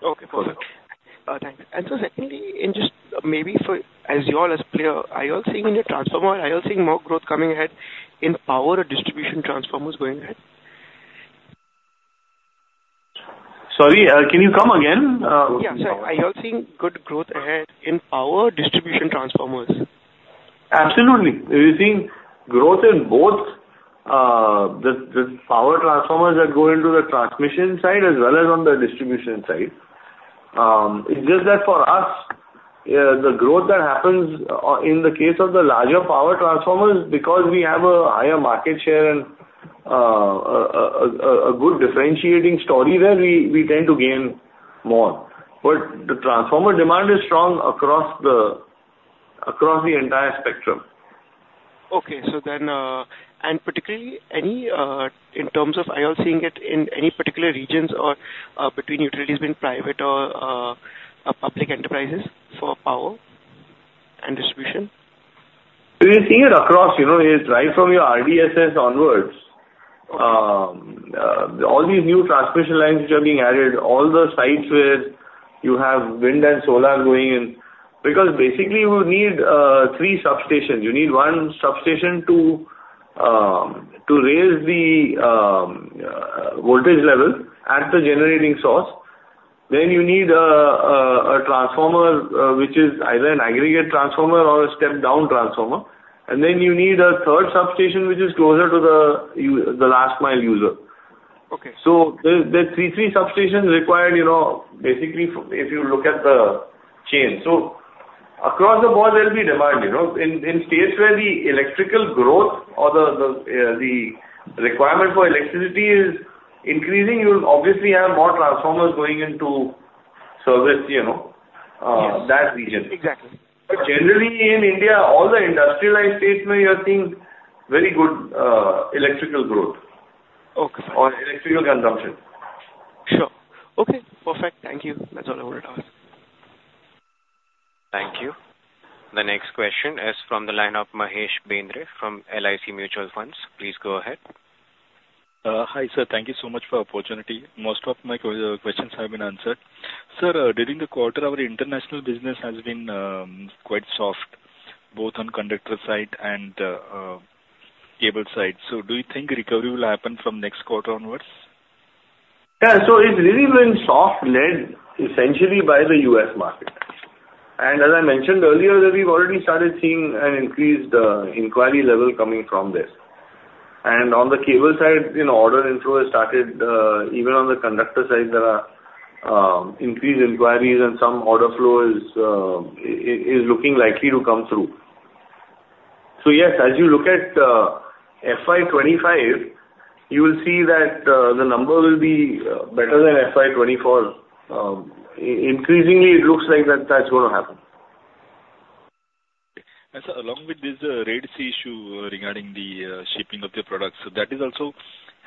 Okay, perfect. Okay. Thank you. And so, secondly, just maybe as your risk player, are you all seeing more growth coming ahead in power or distribution transformers going ahead? Sorry, can you come again? Yeah. So are you all seeing good growth ahead in power distribution transformers? Absolutely. We're seeing growth in both the power transformers that go into the transmission side as well as on the distribution side. It's just that for us, the growth that happens in the case of the larger power transformers, because we have a higher market share and a good differentiating story there, we tend to gain more. But the transformer demand is strong across the entire spectrum. Okay. So then, and particularly any in terms of are you all seeing it in any particular regions or between utilities, between private or public enterprises for power and distribution? We are seeing it across, you know, it's right from your RDSS onwards. All these new transmission lines which are being added, all the sites where you have wind and solar going in, because basically you need three substations. You need one substation to raise the voltage level at the generating source. Then you need a transformer, which is either an aggregate transformer or a step-down transformer, and then you need a third substation, which is closer to the last mile user. Okay. So there are three substations required, you know, basically, if you look at the chain. So across the board, there will be demand, you know. In states where the electrical growth or the requirement for electricity is increasing, you'll obviously have more transformers going into service, you know, that region. Exactly. Generally, in India, all the industrialized states, we are seeing very good electrical growth or electrical consumption. Sure. Okay, perfect. Thank you. That's all I wanted to ask. Thank you. The next question is from the line of Mahesh Bendre from LIC Mutual Funds. Please go ahead. Hi, sir. Thank you so much for the opportunity. Most of my questions have been answered. Sir, during the quarter, our international business has been quite soft, both on conductor side and cable side. So do you think recovery will happen from next quarter onwards? Yeah. So it's really been soft, led essentially by the U.S. market. And as I mentioned earlier, that we've already started seeing an increased inquiry level coming from this. And on the cable side, you know, order inflow has started, even on the conductor side, there are increased inquiries and some order flow is looking likely to come through. So yes, as you look at FY 2025, you will see that the number will be better than FY 2024. Increasingly, it looks like that's going to happen. And so along with this, Red Sea issue regarding the shipping of the products, so that is also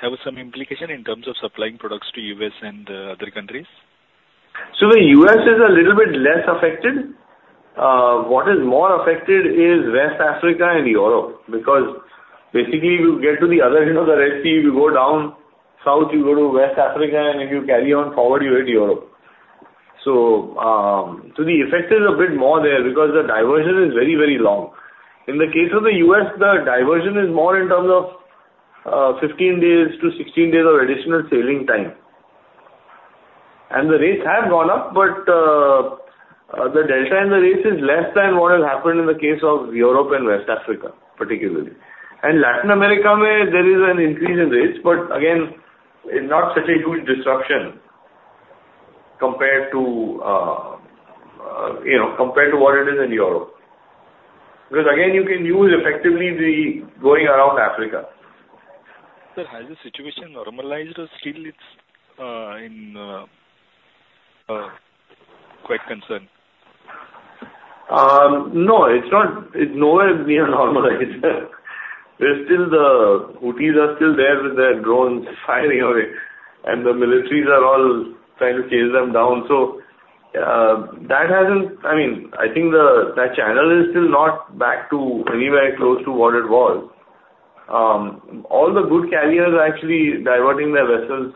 have some implication in terms of supplying products to U.S. and other countries? So the U.S. is a little bit less affected. What is more affected is West Africa and Europe, because basically, you get to the other end of the Red Sea, you go down south, you go to West Africa, and if you carry on forward, you hit Europe. So, so the effect is a bit more there because the diversion is very, very long. In the case of the U.S., the diversion is more in terms of, 15-16 days of additional sailing time. And the rates have gone up, but, the delta and the rates is less than what has happened in the case of Europe and West Africa, particularly. And Latin America, there is an increase in rates, but again, it's not such a huge disruption compared to, you know, compared to what it is in Europe. Because again, you can use effectively the going around Africa. Sir, has the situation normalized or still it's quite concerned? No, it's not, it's nowhere near normalized. There's still the Houthis are still there with their drones firing away, and the militaries are all trying to chase them down. So, that hasn't, I mean, I think that channel is still not back to anywhere close to what it was. All the good carriers are actually diverting their vessels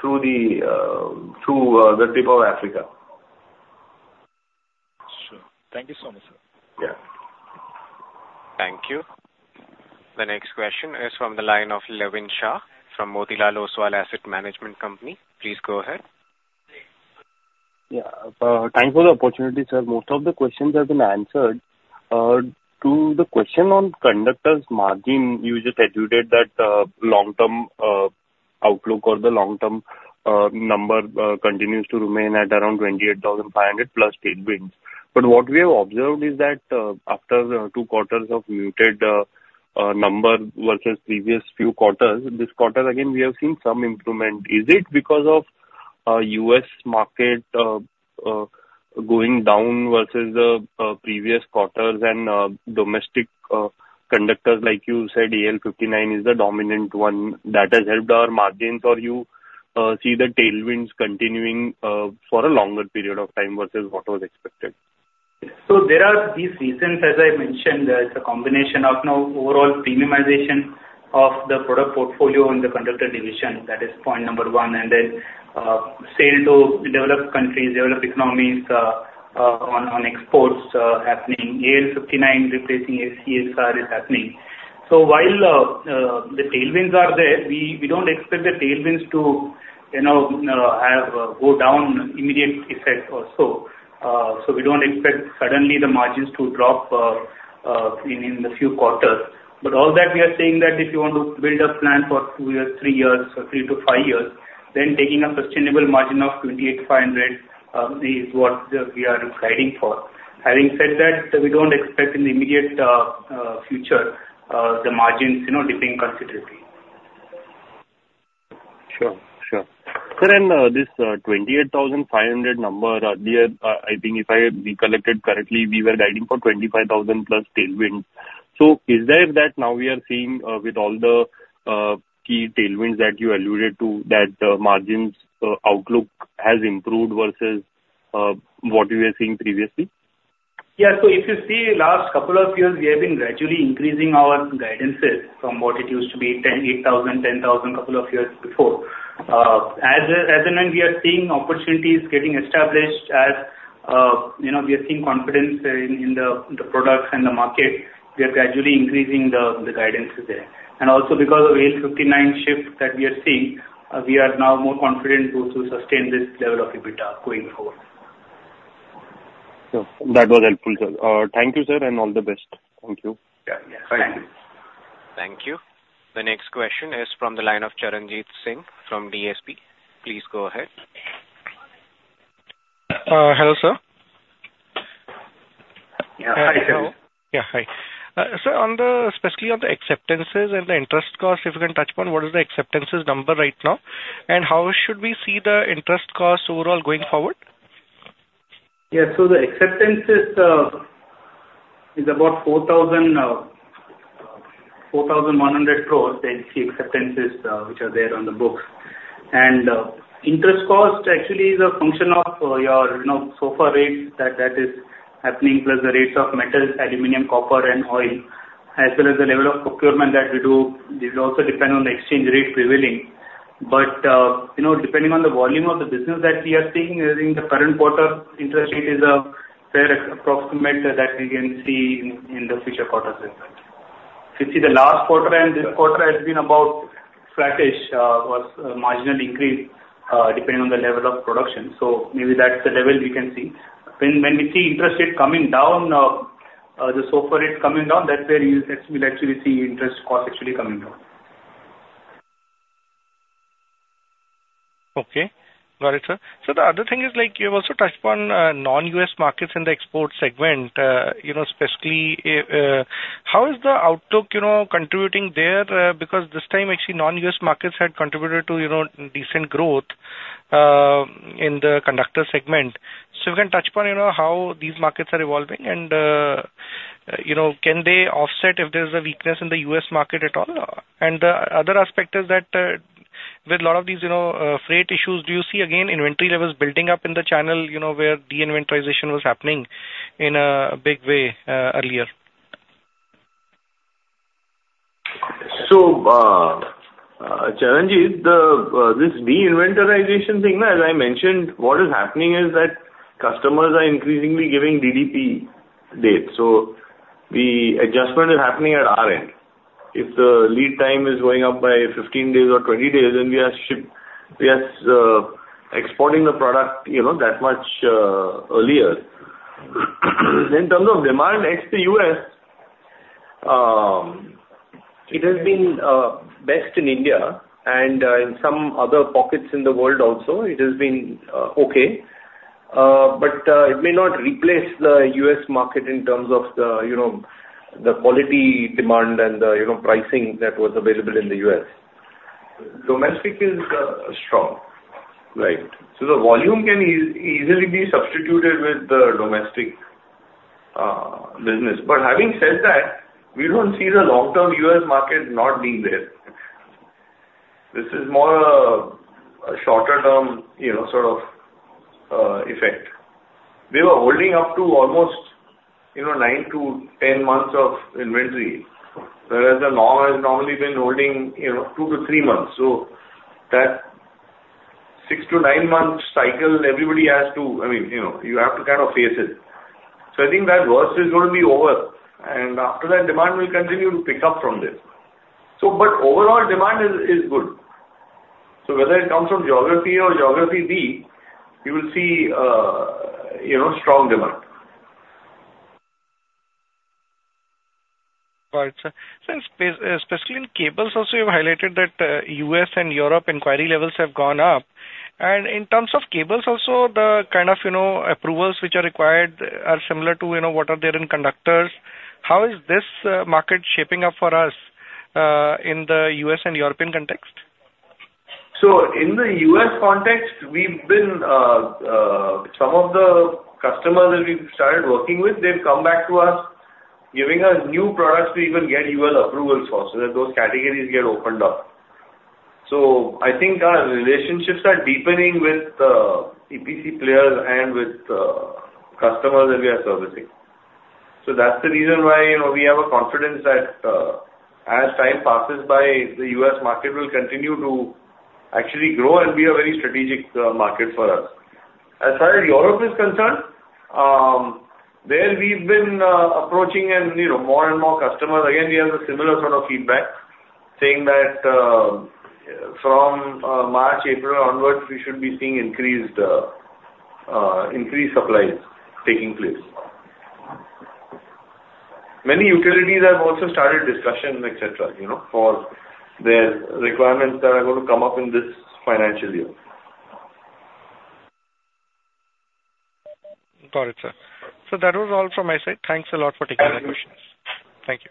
through the tip of Africa. Sure. Thank you so much, sir. Yeah. Thank you. The next question is from the line of Levin Shah from Motilal Oswal Asset Management Company. Please go ahead. Yeah. Thanks for the opportunity, sir. Most of the questions have been answered. To the question on conductors margin, you just alluded that, long-term, outlook or the long-term, number, continues to remain at around 28,500 plus state bids. But what we have observed is that, after two quarters of muted number versus previous few quarters, this quarter again, we have seen some improvement. Is it because of U.S. market going down versus the previous quarters and domestic conductors, like you said, AL-59 is the dominant one that has helped our margins, or you see the tailwinds continuing for a longer period of time versus what was expected? So there are these reasons, as I mentioned, it's a combination of now overall premiumization of the product portfolio in the conductor division, that is point number one. And then, sale to the developed countries, developed economies, on exports, happening. AL-59 replacing ACSR is happening. So while, the tailwinds are there, we don't expect the tailwinds to, you know, have go down immediate effect or so. So we don't expect suddenly the margins to drop, in the few quarters. But all that we are saying that if you want to build a plan for two years, three years or three to five years, then taking a sustainable margin of 28.5% is what, we are guiding for. Having said that, we don't expect in the immediate future the margins, you know, dipping considerably. Sure. Sure. Sir, and this 28,500 number, earlier, I think if I recollected correctly, we were guiding for 25,000 plus tailwind. So is there that now we are seeing, with all the key tailwinds that you alluded to, that the margins outlook has improved versus what we were seeing previously? Yeah. So if you see last couple of years, we have been gradually increasing our guidances from what it used to be 8,000, 10,000, couple of years before. And we are seeing opportunities getting established as, you know, we are seeing confidence in the products and the market, we are gradually increasing the guidance there. And also because of AL-59 shift that we are seeing, we are now more confident to sustain this level of EBITDA going forward. Sure. That was helpful, sir. Thank you, sir, and all the best. Thank you. Yeah. Yeah. Thank you. Thank you. The next question is from the line of Charanjit Singh from DSP. Please go ahead. Hello, sir. Yeah, hi, hello. Yeah, hi. Sir, especially on the acceptances and the interest cost, if you can touch upon what is the acceptances number right now? And how should we see the interest cost overall going forward? Yeah, so the acceptances is about 4,100 crore, the acceptances which are there on the books. Interest cost actually is a function of, you know, so far rates that is happening, plus the rates of metals, aluminum, copper, and oil, as well as the level of procurement that we do. It will also depend on the exchange rate prevailing. But, you know, depending on the volume of the business that we are seeing in the current quarter, interest rate is fair approximate that we can see in the future quarters as well. If you see the last quarter and this quarter has been about flattish, or marginally increased, depending on the level of production. So maybe that's the level we can see. When we see interest rate coming down, so far it's coming down, that's where you will actually see interest costs actually coming down. Okay. Got it, sir. So the other thing is, like, you have also touched upon non-U.S. markets in the export segment. You know, especially, how is the outlook, you know, contributing there? Because this time, actually, non-U.S. markets had contributed to, you know, decent growth in the conductor segment. So you can touch upon, you know, how these markets are evolving and, you know, can they offset if there's a weakness in the U.S. market at all? And the other aspect is that, with a lot of these, you know, freight issues, do you see again, inventory levels building up in the channel, you know, where de-inventorization was happening in a big way, earlier? So, Charanjit, this de-inventorization thing, as I mentioned, what is happening is that customers are increasingly giving DDP dates, so the adjustment is happening at our end. If the lead time is going up by 15 days or 20 days, then we are shipping—we are exporting the product, you know, that much earlier. In terms of demand ex the U.S., it has been best in India and in some other pockets in the world also, it has been okay. But it may not replace the U.S. market in terms of the, you know, the quality demand and the, you know, pricing that was available in the U.S. Domestic is strong, right? So the volume can easily be substituted with the domestic business. But having said that, we don't see the long-term U.S. market not being there. This is more a shorter term, you know, sort of effect. We were holding up to almost, you know, 9-10 months of inventory, whereas the norm has normally been holding, you know, 2-3 months. So that 6-9 months cycle, everybody has to, I mean, you know, you have to kind of face it. So I think that worse is going to be over, and after that, demand will continue to pick up from this. So but overall demand is good. So whether it comes from geography or geography B, you will see, you know, strong demand. Got it, sir. Since, especially in cables also, you've highlighted that, U.S. and Europe inquiry levels have gone up. And in terms of cables also, the kind of, you know, approvals which are required are similar to, you know, what are there in conductors. How is this market shaping up for us in the U.S. and European context? So in the U.S. context, we've been some of the customers that we've started working with, they've come back to us, giving us new products to even get UL approvals for, so that those categories get opened up. So I think our relationships are deepening with EPC players and with customers that we are servicing. So that's the reason why, you know, we have a confidence that as time passes by, the U.S. market will continue to actually grow and be a very strategic market for us. As far as Europe is concerned, there we've been approaching and, you know, more and more customers. Again, we have a similar sort of feedback, saying that from March, April onwards, we should be seeing increased supplies taking place. Many utilities have also started discussions, etc, you know, for their requirements that are going to come up in this financial year. Got it, sir. So that was all from my side. Thanks a lot for taking the questions. Thank you.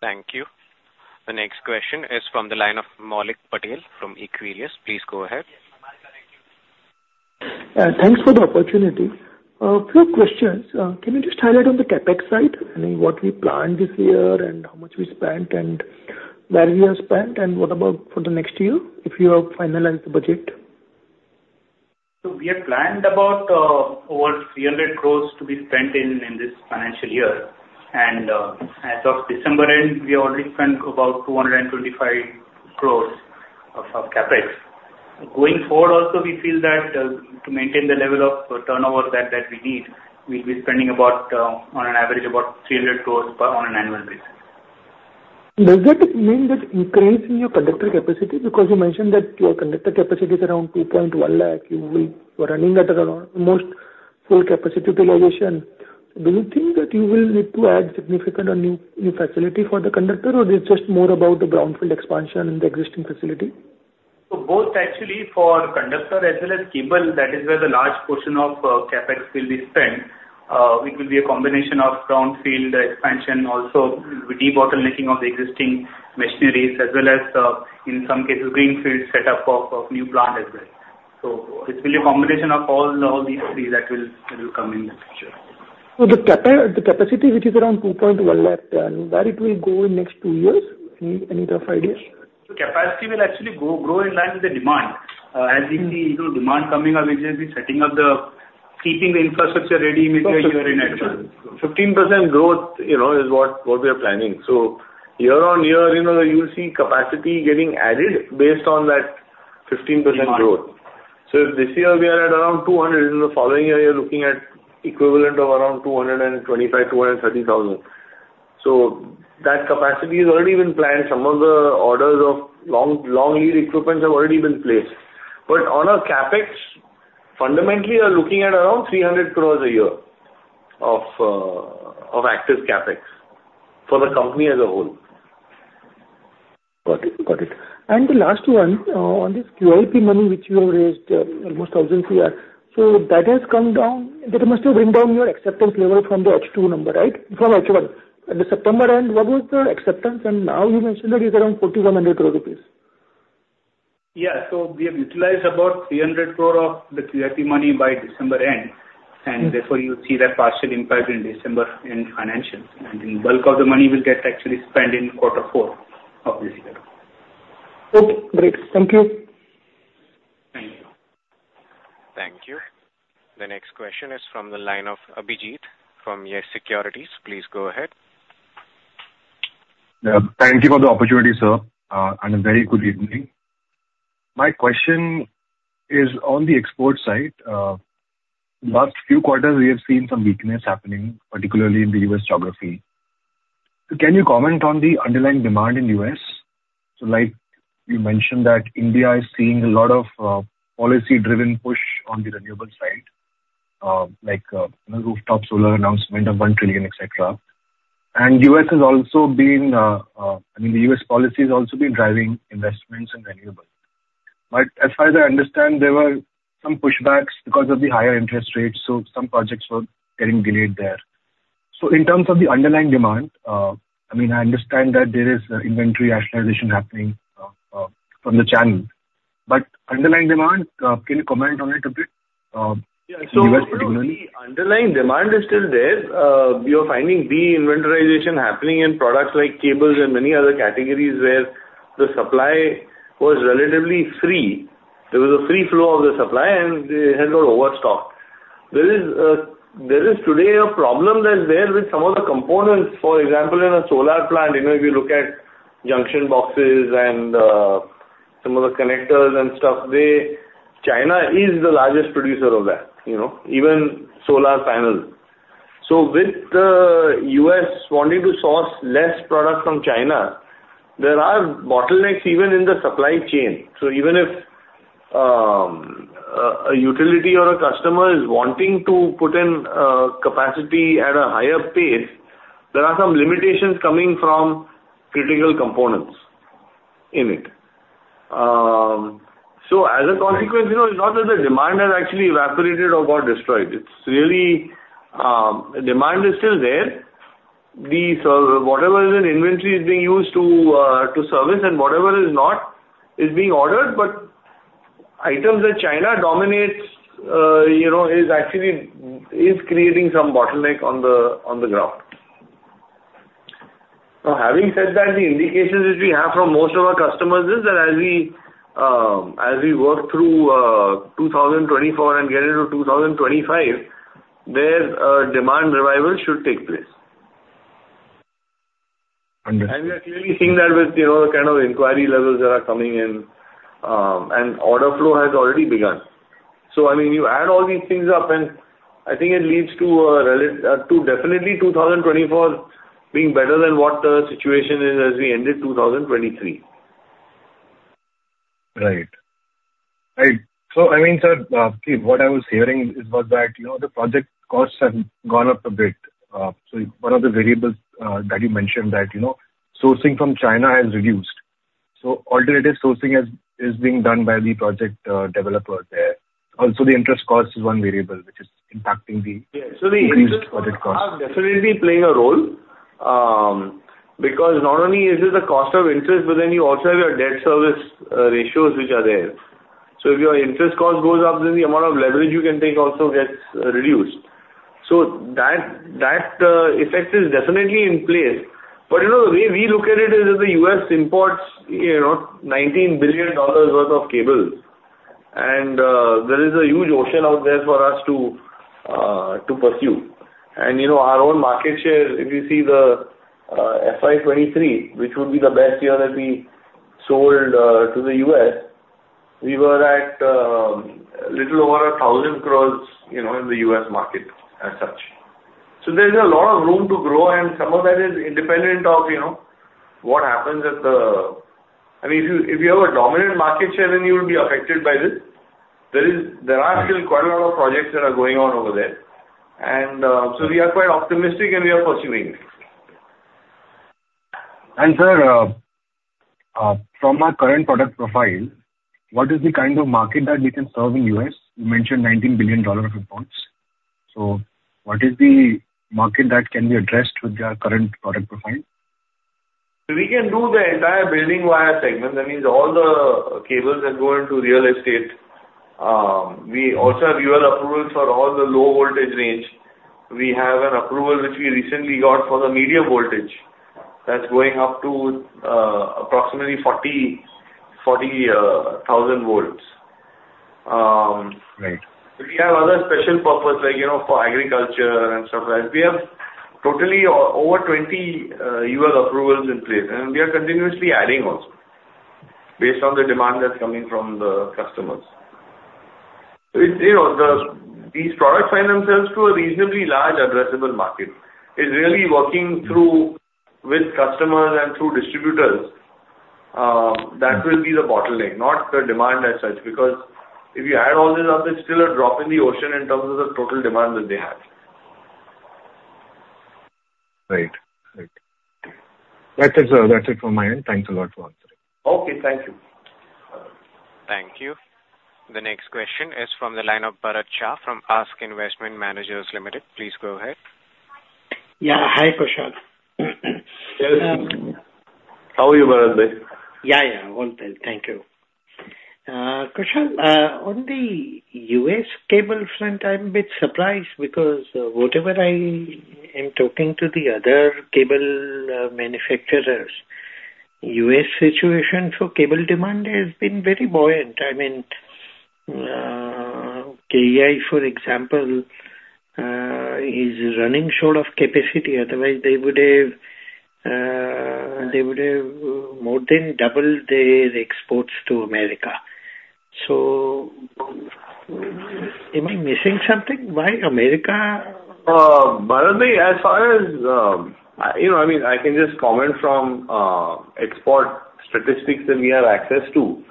Thank you. The next question is from the line of Maulik Patel from Equirus. Please go ahead. Thanks for the opportunity. A few questions. Can you just highlight on the CapEx side, I mean, what we planned this year, and how much we spent, and where we have spent, and what about for the next year, if you have finalized the budget? So we have planned about over 300 crores to be spent in this financial year. As of December end, we already spent about 225 crores of CapEx. Going forward, also, we feel that to maintain the level of turnover that we need, we'll be spending about on an average, about 300 crores per on an annual basis. Does that mean that increasing your conductor capacity? Because you mentioned that your conductor capacity is around 2.1 lakh. You will -- You're running at around almost full capacity utilization. Do you think that you will need to add significant or new, new facility for the conductor, or is it just more about the brownfield expansion in the existing facility? So both actually, for conductor as well as cable, that is where the large portion of CapEx will be spent. It will be a combination of brownfield expansion, also debottlenecking of the existing machineries, as well as, in some cases, greenfield setup of new plant as well. So it will be a combination of all these three that will come in the picture. So the capacity, which is around 2.1 lakh tons, then, where it will go in next two years? Any rough ideas? So capacity will actually grow in line with the demand. As we see, you know, demand coming up, we will be setting up the keeping the infrastructure ready immediately in advance. 15% growth, you know, is what we are planning. So year-on-year, you know, you'll see capacity getting added based on that 15% growth. Mm-hmm. So if this year we are at around 200, in the following year, you're looking at equivalent of around 225,000-230,000. So that capacity has already been planned. Some of the orders of long, long lead equipments have already been placed. But on a CapEx, fundamentally, you are looking at around 300 crores a year of of active CapEx for the company as a whole. Got it. Got it. And the last one, on this QIP money, which you have raised, almost 1,000 crore. So that has come down. That must have been down your acceptance level from the H2 number, right? From H1. At the September end, what was the acceptance? And now you mentioned that it's around 4,700 crore rupees. Yeah. So we have utilized about 300 crore of the QIP money by December end, and therefore, you see that partial impact in December in financials. And the bulk of the money will get actually spent in quarter four of this year. Okay, great. Thank you. Thank you. Thank you. The next question is from the line of Abhijeet from YES Securities. Please go ahead. Thank you for the opportunity, sir, and a very good evening. My question is on the export side. Last few quarters, we have seen some weakness happening, particularly in the U.S. geography. So can you comment on the underlying demand in U.S.? So like you mentioned, that India is seeing a lot of policy-driven push on the renewable side, like rooftop solar announcement of 1 trillion, etc. And U.S. has also been, I mean, the U.S. policy has also been driving investments in renewables. But as far as I understand, there were some pushbacks because of the higher interest rates, so some projects were getting delayed there. So in terms of the underlying demand, I mean, I understand that there is inventory rationalization happening from the channel, but underlying demand, can you comment on it a bit in U.S. demand? Yeah. So the underlying demand is still there. We are finding de-inventorization happening in products like cables and many other categories, where the supply was relatively free. There was a free flow of the supply, and it has got overstocked. There is, there is today a problem that's there with some of the components. For example, in a solar plant, you know, if you look at junction boxes and, some of the connectors and stuff, China is the largest producer of that, you know, even solar panels. So with the U.S. wanting to source less product from China, there are bottlenecks even in the supply chain. So a utility or a customer is wanting to put in capacity at a higher pace, there are some limitations coming from critical components in it. So as a consequence, you know, it's not that the demand has actually evaporated or got destroyed. It's really, demand is still there. Whatever is in inventory is being used to service, and whatever is not, is being ordered. But items that China dominates, you know, is actually creating some bottleneck on the ground. Now, having said that, the indications which we have from most of our customers is that as we work through 2024 and get into 2025, their demand revival should take place. Understood. We are clearly seeing that with, you know, the kind of inquiry levels that are coming in, and order flow has already begun. So I mean, you add all these things up, and I think it leads to definitely 2024 being better than what the situation is as we ended 2023. Right. Right. So I mean, sir, what I was hearing is about that, you know, the project costs have gone up a bit. So one of the variables, that you mentioned that, you know, sourcing from China has reduced. So alternative sourcing has, is being done by the project, developer there. Also, the interest cost is one variable, which is impacting the- Yeah. Increased project cost. Are definitely playing a role, because not only is it the cost of interest, but then you also have your debt service ratios, which are there. So if your interest cost goes up, then the amount of leverage you can take also gets reduced. So that effect is definitely in place. But, you know, the way we look at it is that the U.S. imports, you know, $19 billion worth of cable, and there is a huge ocean out there for us to to pursue. And, you know, our own market share, if you see the FY 2023, which would be the best year that we sold to the U.S., we were at little over 1,000 crore, you know, in the U.S. market as such. So there is a lot of room to grow, and some of that is independent of, you know, what happens at the... I mean, if you, if you have a dominant market share, then you will be affected by this. There are still quite a lot of projects that are going on over there, and so we are quite optimistic, and we are pursuing it. Sir, from our current product profile, what is the kind of market that we can serve in the U.S.? You mentioned $19 billion of imports. So what is the market that can be addressed with our current product profile? We can do the entire building wire segment. That means all the cables that go into real estate. We also have UL approvals for all the low voltage range. We have an approval which we recently got for the medium voltage. That's going up to approximately 40,000 volts. Right. We have other special purpose, like, you know, for agriculture and stuff like. We have totally over 20 UL approvals in place, and we are continuously adding also, based on the demand that's coming from the customers. So it's, you know, the, these products find themselves to a reasonably large addressable market. It's really working through with customers and through distributors, that will be the bottleneck, not the demand as such, because if you add all this up, it's still a drop in the ocean in terms of the total demand that they have. Right. Right. That's it, sir. That's it from my end. Thanks a lot for answering. Okay, thank you. Thank you. The next question is from the line of Bharat Shah, from ASK Investment Managers Limited. Please go ahead. Yeah. Hi, Kushal. Yes. How are you, Bharat bhai? Yeah, yeah, all well. Thank you. Kushal, on the U.S. cable front, I'm a bit surprised because whatever I am talking to the other cable manufacturers, U.S. situation for cable demand has been very buoyant. I mean, KEI, for example, is running short of capacity, otherwise they would have, they would have more than doubled their exports to America. So am I missing something? Why America- Bharat bhai, as far as, you know, I mean, I can just comment from export statistics that we have access to.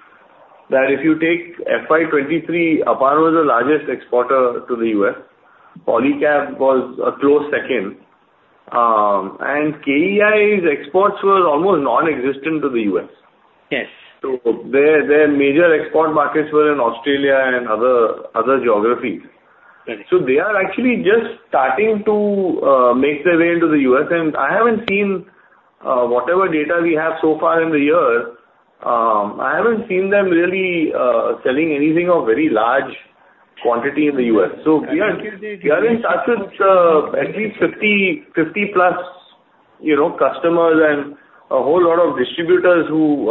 That if you take FY 2023, Apar was the largest exporter to the U.S. Polycab was a close second. And KEI's exports were almost non-existent to the U.S.. Yes. Their major export markets were in Australia and other geographies. Right. So they are actually just starting to make their way into the U.S., and I haven't seen whatever data we have so far in the year. I haven't seen them really selling anything of very large quantity in the U.S. So we are in touch with at least 50+ customers and a whole lot of distributors who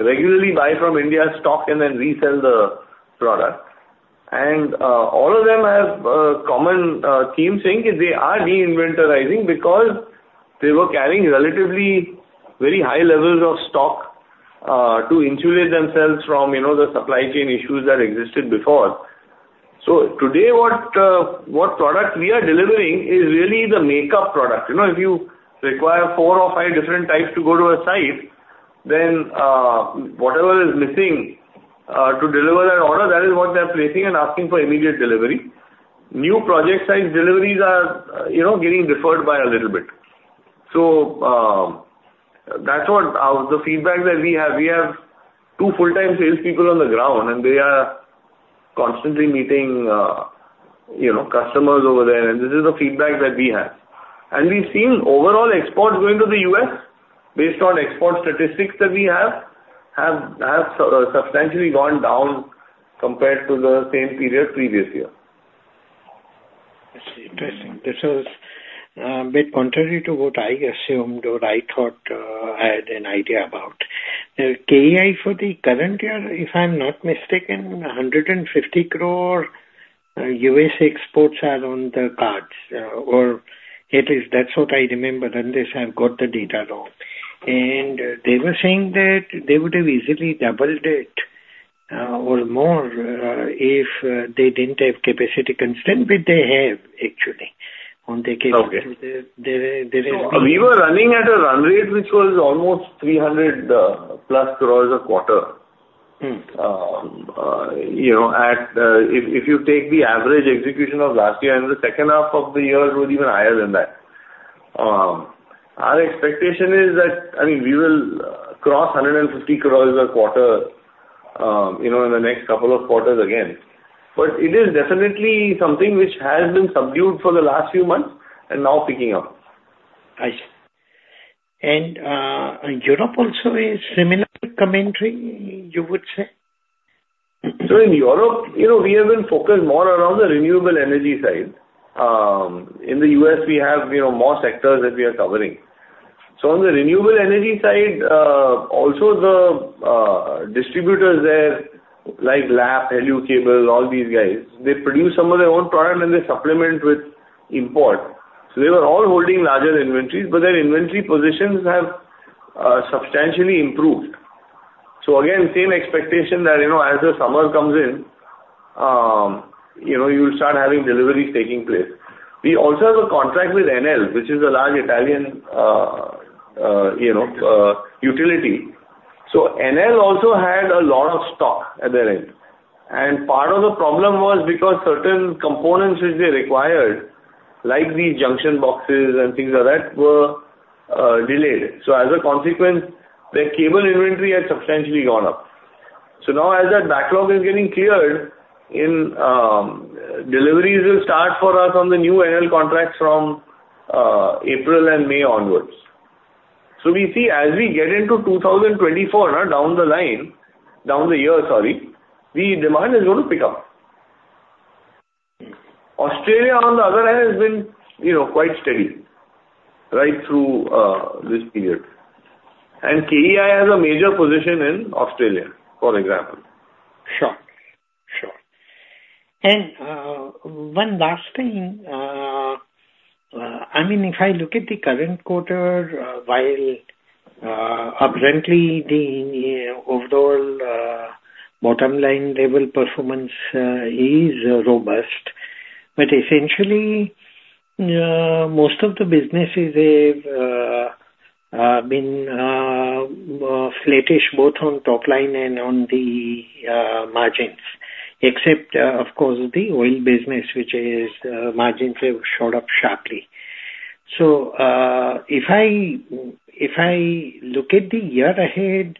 regularly buy from India, stock, and then resell the product. And all of them have a common theme saying that they are de-inventorying because they were carrying relatively very high levels of stock to insulate themselves from, you know, the supply chain issues that existed before. So today, what product we are delivering is really the makeup product. You know, if you require four or five different types to go to a site, then, whatever is missing, to deliver that order, that is what they're placing and asking for immediate delivery. New project size deliveries are, you know, getting deferred by a little bit. So, that's what, the feedback that we have. We have two full-time sales people on the ground, and they are constantly meeting, you know, customers over there, and this is the feedback that we have. And we've seen overall exports going to the U.S., based on export statistics that we have, have, have substantially gone down compared to the same period previous year. That's interesting. This is a bit contrary to what I assumed or I thought, I had an idea about. The KEI for the current year, if I'm not mistaken, 150 crore U.S. exports are on the cards, or it is, that's what I remember, unless I've got the data wrong. And they were saying that they would have easily doubled it, or more, if they didn't have capacity constraint, but they have actually, on the- Okay. There is. So we were running at a run rate, which was almost 300+ crore a quarter. Mm. You know, if you take the average execution of last year, and the second half of the year was even higher than that. Our expectation is that, I mean, we will cross 150 crores a quarter, you know, in the next couple of quarters again. But it is definitely something which has been subdued for the last few months and now picking up. I see. And, Europe also a similar commentary, you would say? So in Europe, you know, we have been focused more around the renewable energy side. In the U.S., we have, you know, more sectors that we are covering. So on the renewable energy side, also the distributors there, like Lapp, Helukabel, all these guys, they produce some of their own product, and they supplement with import. So they were all holding larger inventories, but their inventory positions have substantially improved. So again, same expectation that, you know, as the summer comes in, you know, you'll start having deliveries taking place. We also have a contract with Enel, which is a large Italian utility. So Enel also had a lot of stock at their end, and part of the problem was because certain components which they required, like the junction boxes and things like that, were delayed. So as a consequence, their cable inventory has substantially gone up. So now as that backlog is getting cleared, in, deliveries will start for us on the new Enel contracts from April and May onwards. So we see as we get into 2024, now, down the line, down the year, sorry, the demand is going to pick up. Australia, on the other hand, has been, you know, quite steady right through this period. And KEI has a major position in Australia, for example. Sure. Sure. And one last thing, I mean, if I look at the current quarter, while apparently the overall bottom line level performance is robust, but essentially most of the businesses have been flattish both on top line and on the margins, except of course the oil business, which is, margins have shot up sharply. So if I look at the year ahead,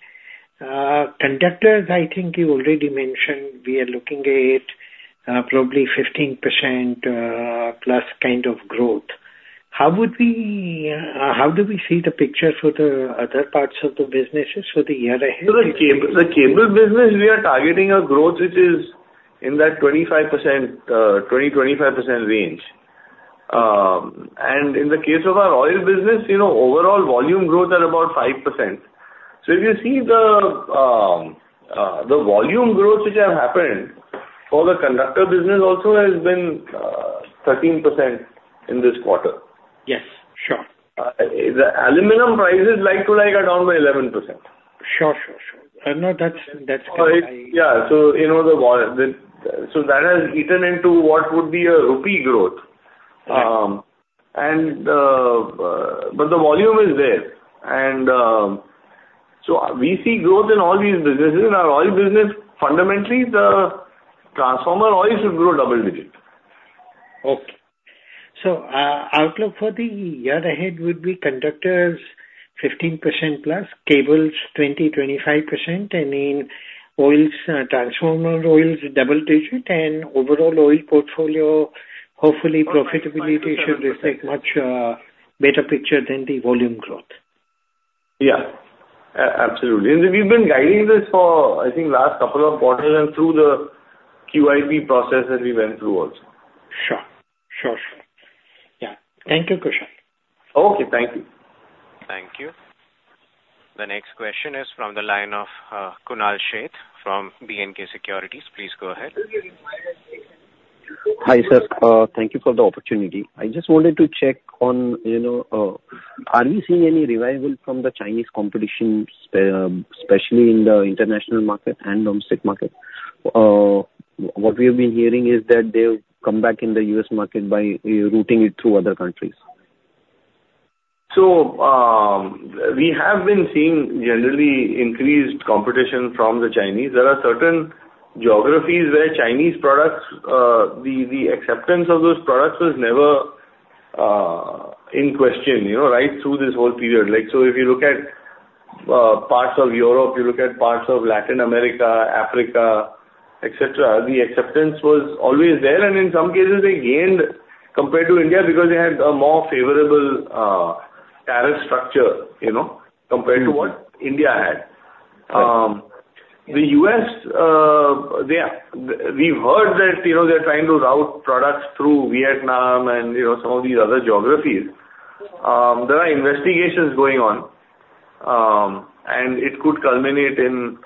conductors, I think you already mentioned, we are looking at probably 15%+ kind of growth. How would we, how do we see the picture for the other parts of the businesses for the year ahead? So the cable, the cable business, we are targeting a growth which is in that 25%, 20%-25% range. And in the case of our oil business, you know, overall volume growth are about 5%. So if you see the, the volume growth which have happened for the conductor business also has been, 13% in this quarter. Yes, sure. The aluminum prices like to like are down by 11%. Sure, sure, sure. I know that's, that's great. Yeah. So, you know, so that has eaten into what would be a rupee growth. Right. But the volume is there, and so we see growth in all these businesses. In our oil business, fundamentally, the transformer oil should grow double digit. Okay. So, outlook for the year ahead would be conductors 15%+, cables 20%-25%, and in oils, transformer oils, double-digit, and overall oil portfolio, hopefully, profitability should reflect much better picture than the volume growth. Yeah, absolutely. And we've been guiding this for, I think, last couple of quarters and through the QIP process that we went through also. Sure. Sure, sure. Yeah. Thank you, Kushal. Okay, thank you. Thank you. The next question is from the line of Kunal Sheth from B&K Securities. Please go ahead. Hi, sir. Thank you for the opportunity. I just wanted to check on, you know, are we seeing any revival from the Chinese competition, especially in the international market and domestic market? What we have been hearing is that they've come back in the U.S. market by routing it through other countries. So, we have been seeing generally increased competition from the Chinese. There are certain geographies where Chinese products, the acceptance of those products was never in question, you know, right through this whole period. Like, so if you look at parts of Europe, you look at parts of Latin America, Africa, etc, the acceptance was always there, and in some cases they gained compared to India because they had a more favorable tariff structure, you know, compared to what India had. Right. The U.S., we've heard that, you know, they're trying to route products through Vietnam and, you know, some of these other geographies. There are investigations going on, and it could culminate in,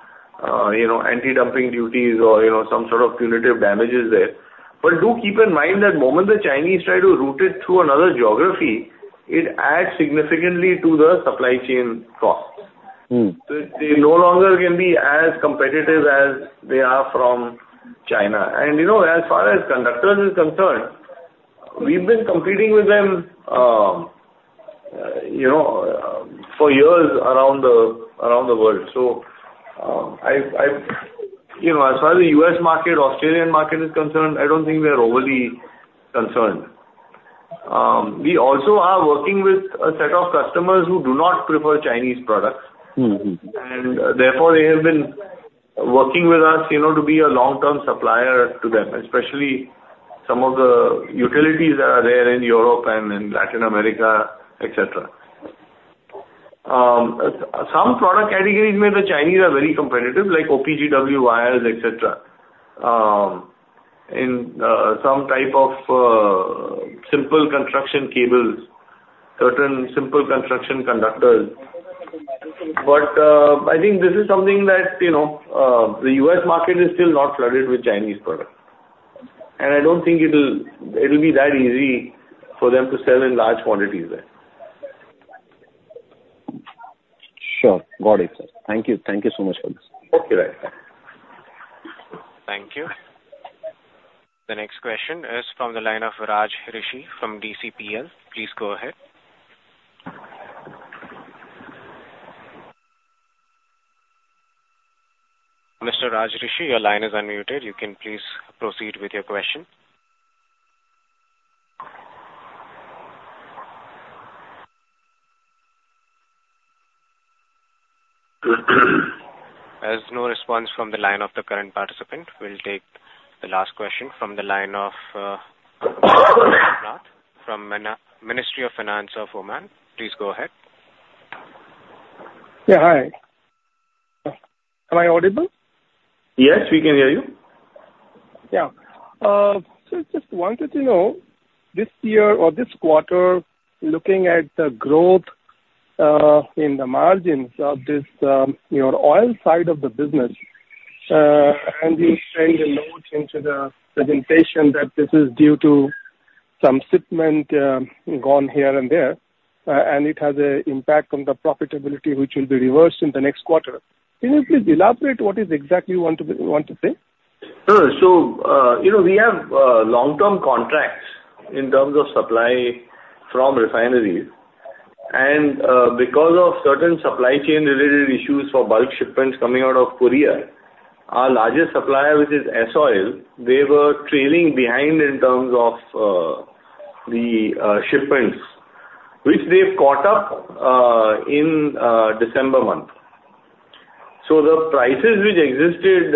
you know, anti-dumping duties or, you know, some sort of punitive damages there. But do keep in mind that moment the Chinese try to route it through another geography, it adds significantly to the supply chain costs. Mm. So they no longer can be as competitive as they are from China. And, you know, as far as conductors is concerned, we've been competing with them, you know, for years around the world. You know, as far as the U.S. market, Australian market is concerned, I don't think we are overly concerned. We also are working with a set of customers who do not prefer Chinese products. Mm-hmm. And therefore, they have been working with us, you know, to be a long-term supplier to them, especially some of the utilities that are there in Europe and in Latin America, etc. Some product categories where the Chinese are very competitive, like OPGW wires, etc. In some type of simple construction cables, certain simple construction conductors. But I think this is something that, you know, the U.S. market is still not flooded with Chinese products. And I don't think it'll be that easy for them to sell in large quantities there. Sure. Got it, sir. Thank you. Thank you so much for this. Okay, bye. Thank you. The next question is from the line of Raj Rishi from DCPL. Please go ahead. Mr. Raj Rishi, your line is unmuted. You can please proceed with your question. As no response from the line of the current participant, we'll take the last question from the line of Amarnath from Ministry of Finance of Oman. Please go ahead. Yeah, hi. Am I audible? Yes, we can hear you. Yeah. So just wanted to know, this year or this quarter, looking at the growth in the margins of this, your oil side of the business, and you said a note into the presentation that this is due to some shipment gone here and there, and it has a impact on the profitability, which will be reversed in the next quarter. Can you please elaborate what is exactly you want to, want to say? So, you know, we have long-term contracts in terms of supply from refineries. And, because of certain supply chain related issues for bulk shipments coming out of Korea, our largest supplier, which is S-OIL, they were trailing behind in terms of the shipments, which they've caught up in December month. So the prices which existed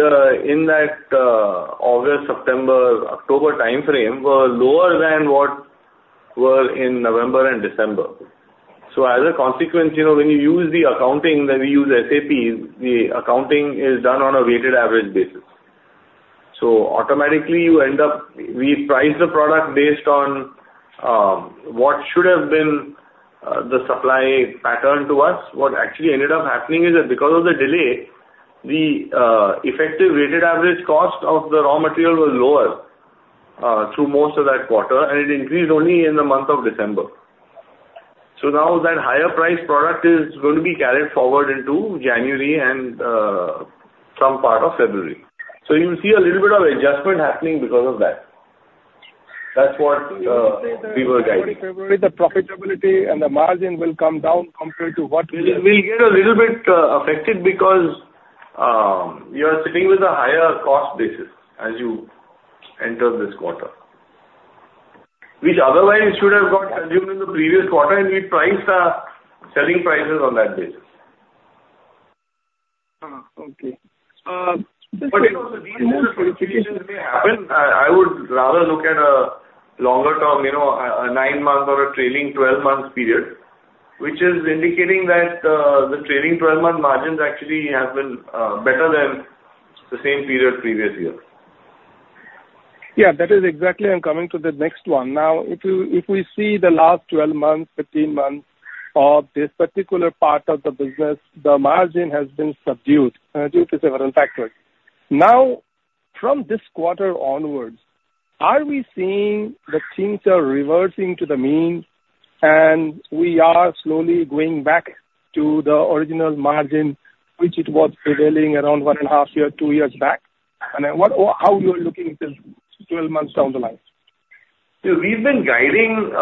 in that August, September, October time frame were lower than what were in November and December. So as a consequence, you know, when you use the accounting, then we use SAP, the accounting is done on a weighted average basis. So automatically you end up, we price the product based on what should have been the supply pattern to us. What actually ended up happening is that because of the delay, the effective weighted average cost of the raw material was lower through most of that quarter, and it increased only in the month of December. So now that higher priced product is going to be carried forward into January and some part of February. So you'll see a little bit of adjustment happening because of that. That's what we were guiding. February, the profitability and the margin will come down compared to what we have? It will get a little bit affected because you are sitting with a higher cost basis as you enter this quarter, which otherwise you should have got consumed in the previous quarter, and we priced our selling prices on that basis. Okay. But these are the situations may happen. I would rather look at a longer term, you know, a nine-month or a trailing 12-month period, which is indicating that the trailing 12-month margins actually have been better than the same period previous year. Yeah, that is exactly. I'm coming to the next one. Now, if we see the last 12 months, 15 months of this particular part of the business, the margin has been subdued due to several factors. Now, from this quarter onwards, are we seeing that things are reversing to the mean, and we are slowly going back to the original margin, which it was prevailing around 1.5 year, 2 years back? And then, what or how you are looking 12 months down the line? So we've been guiding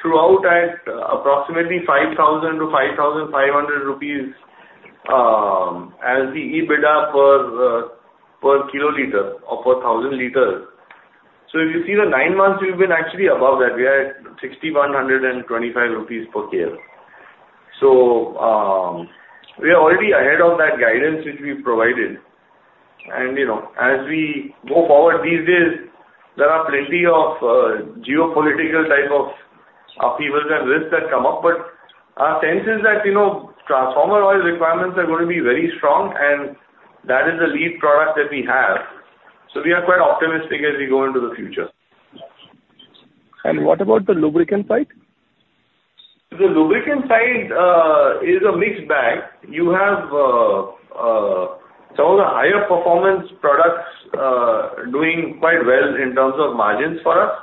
throughout at approximately 5,000-5,500 rupees as the EBITDA per kiloliter or per thousand liters. So if you see the nine months, we've been actually above that. We are at 6,125 rupees per KL. So we are already ahead of that guidance which we provided. And, you know, as we go forward, these days, there are plenty of geopolitical type of upheavals and risks that come up. But our sense is that, you know, transformer oil requirements are going to be very strong, and that is the lead product that we have. So we are quite optimistic as we go into the future. What about the lubricant side? The lubricant side is a mixed bag. You have some of the higher performance products doing quite well in terms of margins for us,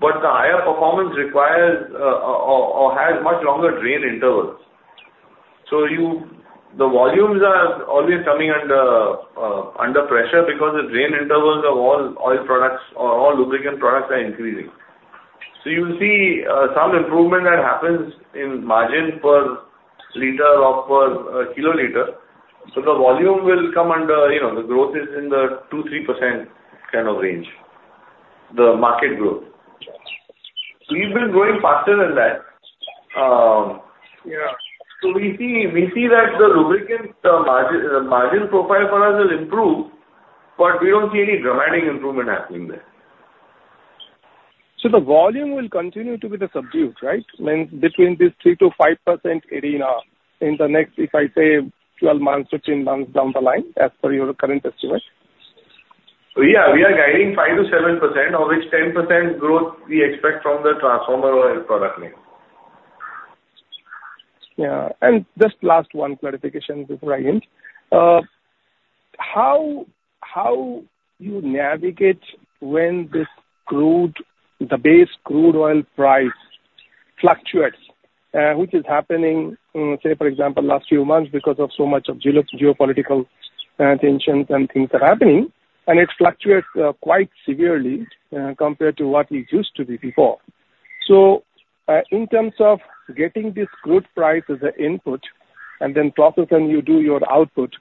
but the higher performance requires or has much longer drain intervals. So the volumes are always coming under pressure because the drain intervals of all oil products or all lubricant products are increasing. So you will see some improvement that happens in margin per liter or per kiloliter. So the volume will come under, you know, the growth is in the 2%-3% kind of range, the market growth. We've been growing faster than that. Yeah, so we see that the lubricant margin profile for us will improve, but we don't see any dramatic improvement happening there. The volume will continue to be subdued, right? Meaning between this 3%-5% arena in the next, if I say, 12 months, 15 months down the line, as per your current estimate. Yeah, we are guiding 5%-7%, of which 10% growth we expect from the transformer oil product line. Yeah, and just last one clarification before I end. How do you navigate when this crude, the base crude oil price fluctuates, which is happening, say, for example, last few months, because of so much of geopolitical tensions and things are happening, and it fluctuates quite severely compared to what it used to be before. So, in terms of getting this crude price as an input and then processing, you do your output,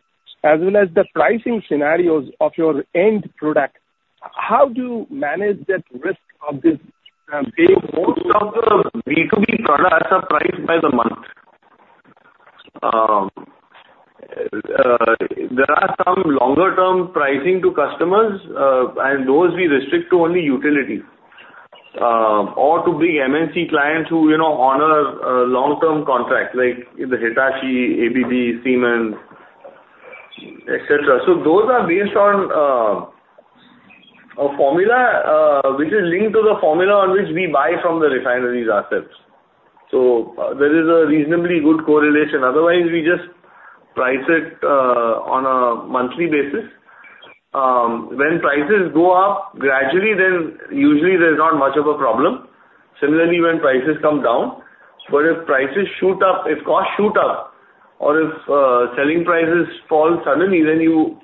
as well as the pricing scenarios of your end product, how do you manage that risk of this big- Most of the B2B products are priced by the month. There are some longer term pricing to customers, and those we restrict to only utilities, or to big MNC clients who, you know, honor, long-term contracts, like the Hitachi, ABB, Siemens, etc. So those are based on, a formula, which is linked to the formula on which we buy from the refineries ourselves. So there is a reasonably good correlation. Otherwise, we just price it, on a monthly basis. When prices go up gradually, then usually there's not much of a problem. Similarly, when prices come down, but if prices shoot up, if costs shoot up or if selling prices fall suddenly, then you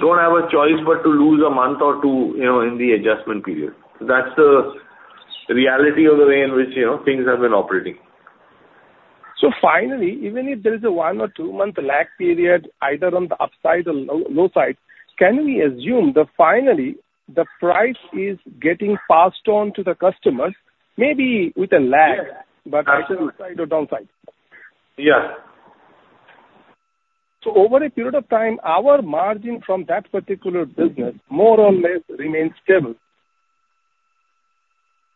don't have a choice but to lose a month or two, you know, in the adjustment period. That's the reality of the way in which, you know, things have been operating. So finally, even if there is a 1- or 2-month lag period, either on the upside or low side, can we assume that finally the price is getting passed on to the customers, maybe with a lag? Yeah. But either upside or downside? Yeah. Over a period of time, our margin from that particular business, more or less, remains stable.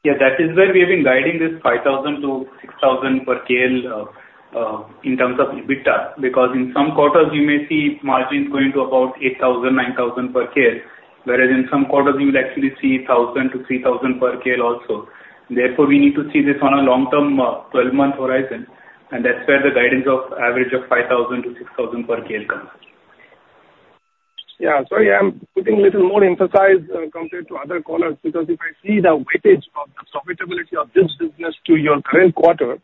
Yeah, that is where we have been guiding this 5,000-6,000 per KL in terms of EBITDA, because in some quarters you may see margins going to about 8,000, 9,000 per KL, whereas in some quarters, you will actually see 1,000-3,000 per KL also. Therefore, we need to see this on a long-term 12-month horizon, and that's where the guidance of average of 5,000-6,000 per KL comes. Yeah. So yeah, I'm putting little more emphasis compared to other callers, because if I see the weightage of the profitability of this business to your current quarter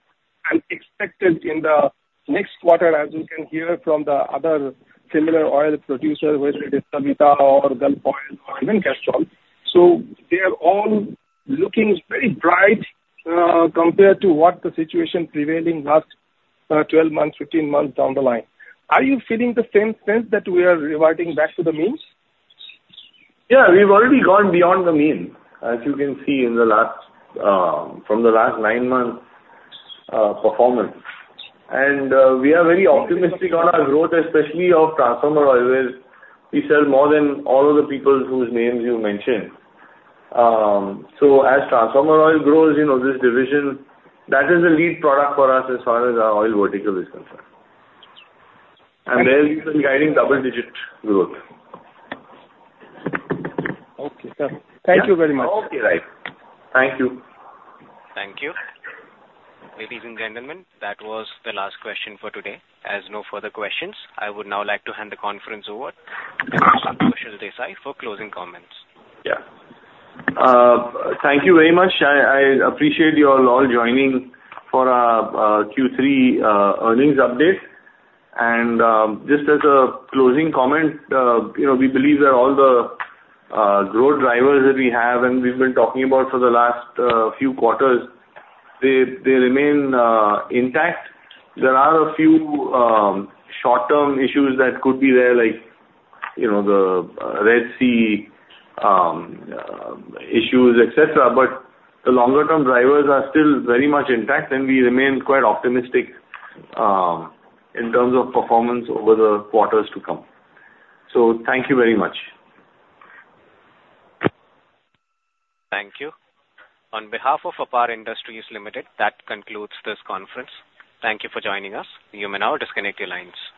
and expected in the next quarter, as you can hear from the other similar oil producers, whether it is Savita or Gulf Oil or even Castrol. So they are all looking very bright compared to what the situation prevailing last 12 months, 15 months down the line. Are you feeling the same sense that we are reverting back to the means? Yeah, we've already gone beyond the mean, as you can see in the last, from the last nine months, performance. And, we are very optimistic on our growth, especially of transformer oil, where we sell more than all of the people whose names you mentioned. So as transformer oil grows, you know, this division, that is a lead product for us as far as our oil vertical is concerned. And there, we've been guiding double-digit growth. Okay, sir. Thank you very much. Okay, right. Thank you. Thank you. Ladies and gentlemen, that was the last question for today. As no further questions, I would now like to hand the conference over to Kushal Desai for closing comments. Yeah. Thank you very much. I appreciate you all joining for our Q3 earnings update. And, just as a closing comment, you know, we believe that all the growth drivers that we have and we've been talking about for the last few quarters, they remain intact. There are a few short-term issues that could be there, like, you know, the Red Sea issues, etc. But the longer-term drivers are still very much intact, and we remain quite optimistic in terms of performance over the quarters to come. So thank you very much. Thank you. On behalf of APAR Industries Limited, that concludes this conference. Thank you for joining us. You may now disconnect your lines.